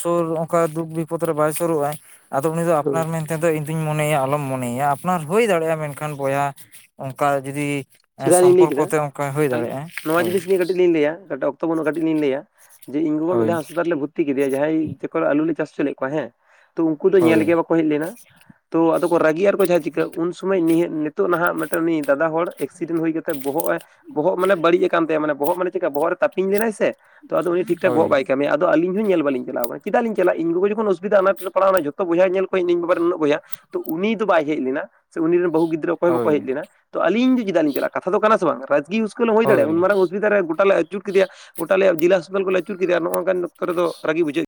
ᱥᱳᱨ ᱚᱝᱠᱟ ᱫᱩᱠ ᱵᱤᱯ ᱯᱚᱫ ᱨᱮ ᱵᱟᱭ ᱥᱳᱨᱳᱜ ᱟᱭ, ᱟᱫᱚ ᱩᱱᱤ ᱫᱚ ᱦᱩᱸ ᱟᱯᱱᱟᱨ ᱢᱮᱱ ᱛᱮ ᱫᱚ ᱤᱧ ᱫᱩᱧ ᱢᱚᱱᱮᱭᱮᱭᱟ, ᱟᱞᱚᱢ ᱢᱚᱱᱮᱭᱮᱭᱟ ᱟᱯᱱᱟᱨ ᱦᱳᱭ ᱫᱟᱲᱮᱭᱟᱜᱼᱟ, ᱢᱮᱱᱠᱷᱟᱱ ᱵᱚᱭᱦᱟ ᱚᱱᱠᱟ ᱡᱩᱫᱤ ᱪᱮᱫᱟᱜ ᱞᱤᱧ ᱞᱟᱹᱭ ᱥᱚᱢᱯᱚᱨᱠᱚ ᱛᱮ ᱚᱝᱠᱟ, ᱦᱳᱭ ᱫᱟᱲᱮᱜᱼᱟ ᱦᱳᱭ᱾ ᱠᱟᱴᱤᱡ ᱞᱤᱧ ᱞᱟᱹᱭᱟ ᱚᱛᱚ ᱵᱟᱩᱜᱼᱟ, ᱠᱟᱹᱤᱡ ᱞᱤᱧ ᱞᱟᱹᱭᱟ ᱡᱮ, ᱤᱧ ᱵᱟᱵᱟ ᱦᱳᱭ ᱢᱤᱫᱷᱟ ᱦᱟᱥᱯᱟᱛᱟᱞ ᱨᱮ ᱵᱷᱚᱨ ᱜᱩᱛᱤ ᱠᱮᱫᱮᱭᱟ ᱡᱟᱦᱟᱸᱭ, ᱛᱟᱠᱚ ᱟᱞᱩ ᱞᱮ ᱪᱟᱥ ᱩᱪᱩ ᱞᱮᱫ ᱠᱚᱣᱟ ᱦᱮᱸ, ᱛᱚ ᱩᱱᱠᱩ ᱫᱚ ᱧᱮᱞ ᱦᱳᱭ ᱜᱮ ᱵᱟ ᱦᱮᱡ ᱞᱮᱱᱟ ᱛᱚ ᱟᱫᱚ ᱠᱚ ᱨᱟᱹᱜᱤᱜ ᱟᱨᱠᱚ ᱡᱟᱦᱟᱸᱭ ᱪᱤᱠᱟᱹᱜ ᱩᱱ ᱥᱚᱢᱚᱭ ᱱᱤᱭᱟ ᱱᱤᱛᱚᱜ ᱱᱟᱦᱟᱜ ᱢᱤᱫᱴᱮᱱ ᱩᱱᱤ ᱫᱟᱫᱟ ᱦᱚᱲᱼᱼ ᱮᱠᱥᱤᱰᱮᱱᱴ ᱦᱳᱭ ᱠᱟᱛᱮᱜ ᱵᱚᱦᱚᱜᱼ ᱮ, ᱵᱚᱦᱚᱜ ᱢᱟᱱᱮ ᱵᱟᱹᱲᱤᱡ ᱟᱠᱟᱱ ᱛᱟᱭᱟ, ᱢᱟᱱᱮ ᱵᱚᱦᱚᱜ ᱢᱟᱱᱮ ᱪᱮᱫᱠᱟ ᱵᱚᱦᱚᱜ ᱨᱮ ᱛᱟᱯᱤᱧ ᱞᱮᱱᱟᱭ ᱥᱮ ᱛᱚ ᱟᱫᱚ ᱩᱱᱤ ᱴᱷᱤᱠ ᱴᱷᱟᱠ ᱦᱳᱭ ᱵᱚᱦᱚᱚᱜ ᱵᱟᱭ ᱠᱟᱹᱢᱤᱭᱟ, ᱟᱫᱚ ᱟᱧ ᱦᱚᱸ ᱧᱮᱞ ᱵᱟᱞᱤᱧ ᱪᱟᱣ ᱠᱟᱱᱟ, ᱪᱮᱫᱜ ᱞᱤᱧ ᱪᱟᱞᱟᱜᱼᱟ ᱤᱧᱜᱚᱜᱟ ᱡᱟᱠᱷᱚᱱ ᱚᱥᱩᱵᱤᱫᱟ ᱚᱱᱟ ᱯᱟᱲᱟᱣᱱᱟ ᱛᱚ ᱛᱚ ᱵᱚᱭᱟᱦᱟ ᱧᱮᱞ ᱠᱚ ᱦᱮᱡᱮᱱᱟ, ᱤᱧ ᱵᱟᱵᱟ ᱨᱮᱱ ᱩᱱᱟᱹ ᱵᱚᱭᱦᱟ, ᱛᱚ ᱩᱱᱤ ᱫᱚ ᱵᱟᱭ ᱦᱮᱡ ᱞᱮᱱᱟ, ᱥᱮ ᱩᱱᱤ ᱨᱮᱱ ᱵᱟᱹᱦᱩ ᱜᱤᱫᱽᱨᱟᱹ ᱚᱠᱚᱭ ᱵᱟᱠᱚ ᱦᱮᱡ ᱦᱳᱭ ᱞᱮᱱᱟ᱾ ᱛᱚ ᱟᱞᱤᱧ ᱫᱚ ᱪᱮᱫᱟᱜ ᱞᱤᱧ ᱪᱟᱞᱟᱜᱻᱟ ᱠᱟᱛᱷᱟ ᱫᱚ ᱠᱟᱱᱟ ᱥᱮ ᱵᱟᱝ ᱨᱟᱜᱤ ᱤᱥᱠᱩᱞ ᱦᱚᱸ ᱦᱩᱭ ᱫᱟᱲᱮᱭᱟᱜᱼᱟ ᱩᱱ ᱦᱳᱭ ᱢᱟᱨᱟᱝ ᱚᱥᱩᱵᱤᱫᱟ ᱨᱮ ᱜᱚᱴᱟ ᱞᱮᱼᱼ ᱟᱹᱪᱩᱨ ᱠᱮᱫᱮᱭᱟ ᱜᱚᱴᱟ ᱟᱞᱮᱭᱟᱜ ᱡᱮᱞᱟ ᱦᱟᱥᱯᱟᱟᱞ ᱠᱚᱞᱮ ᱟᱹᱪᱩᱨ ᱠᱮᱫᱮᱭᱟ ᱱᱚᱜᱼ ᱱᱚᱝᱠᱟᱱ ᱚᱠᱛᱚ ᱨᱮ ᱫᱚ ᱨᱟᱹᱜᱤ ᱵᱩᱡᱷᱟᱜᱼᱼ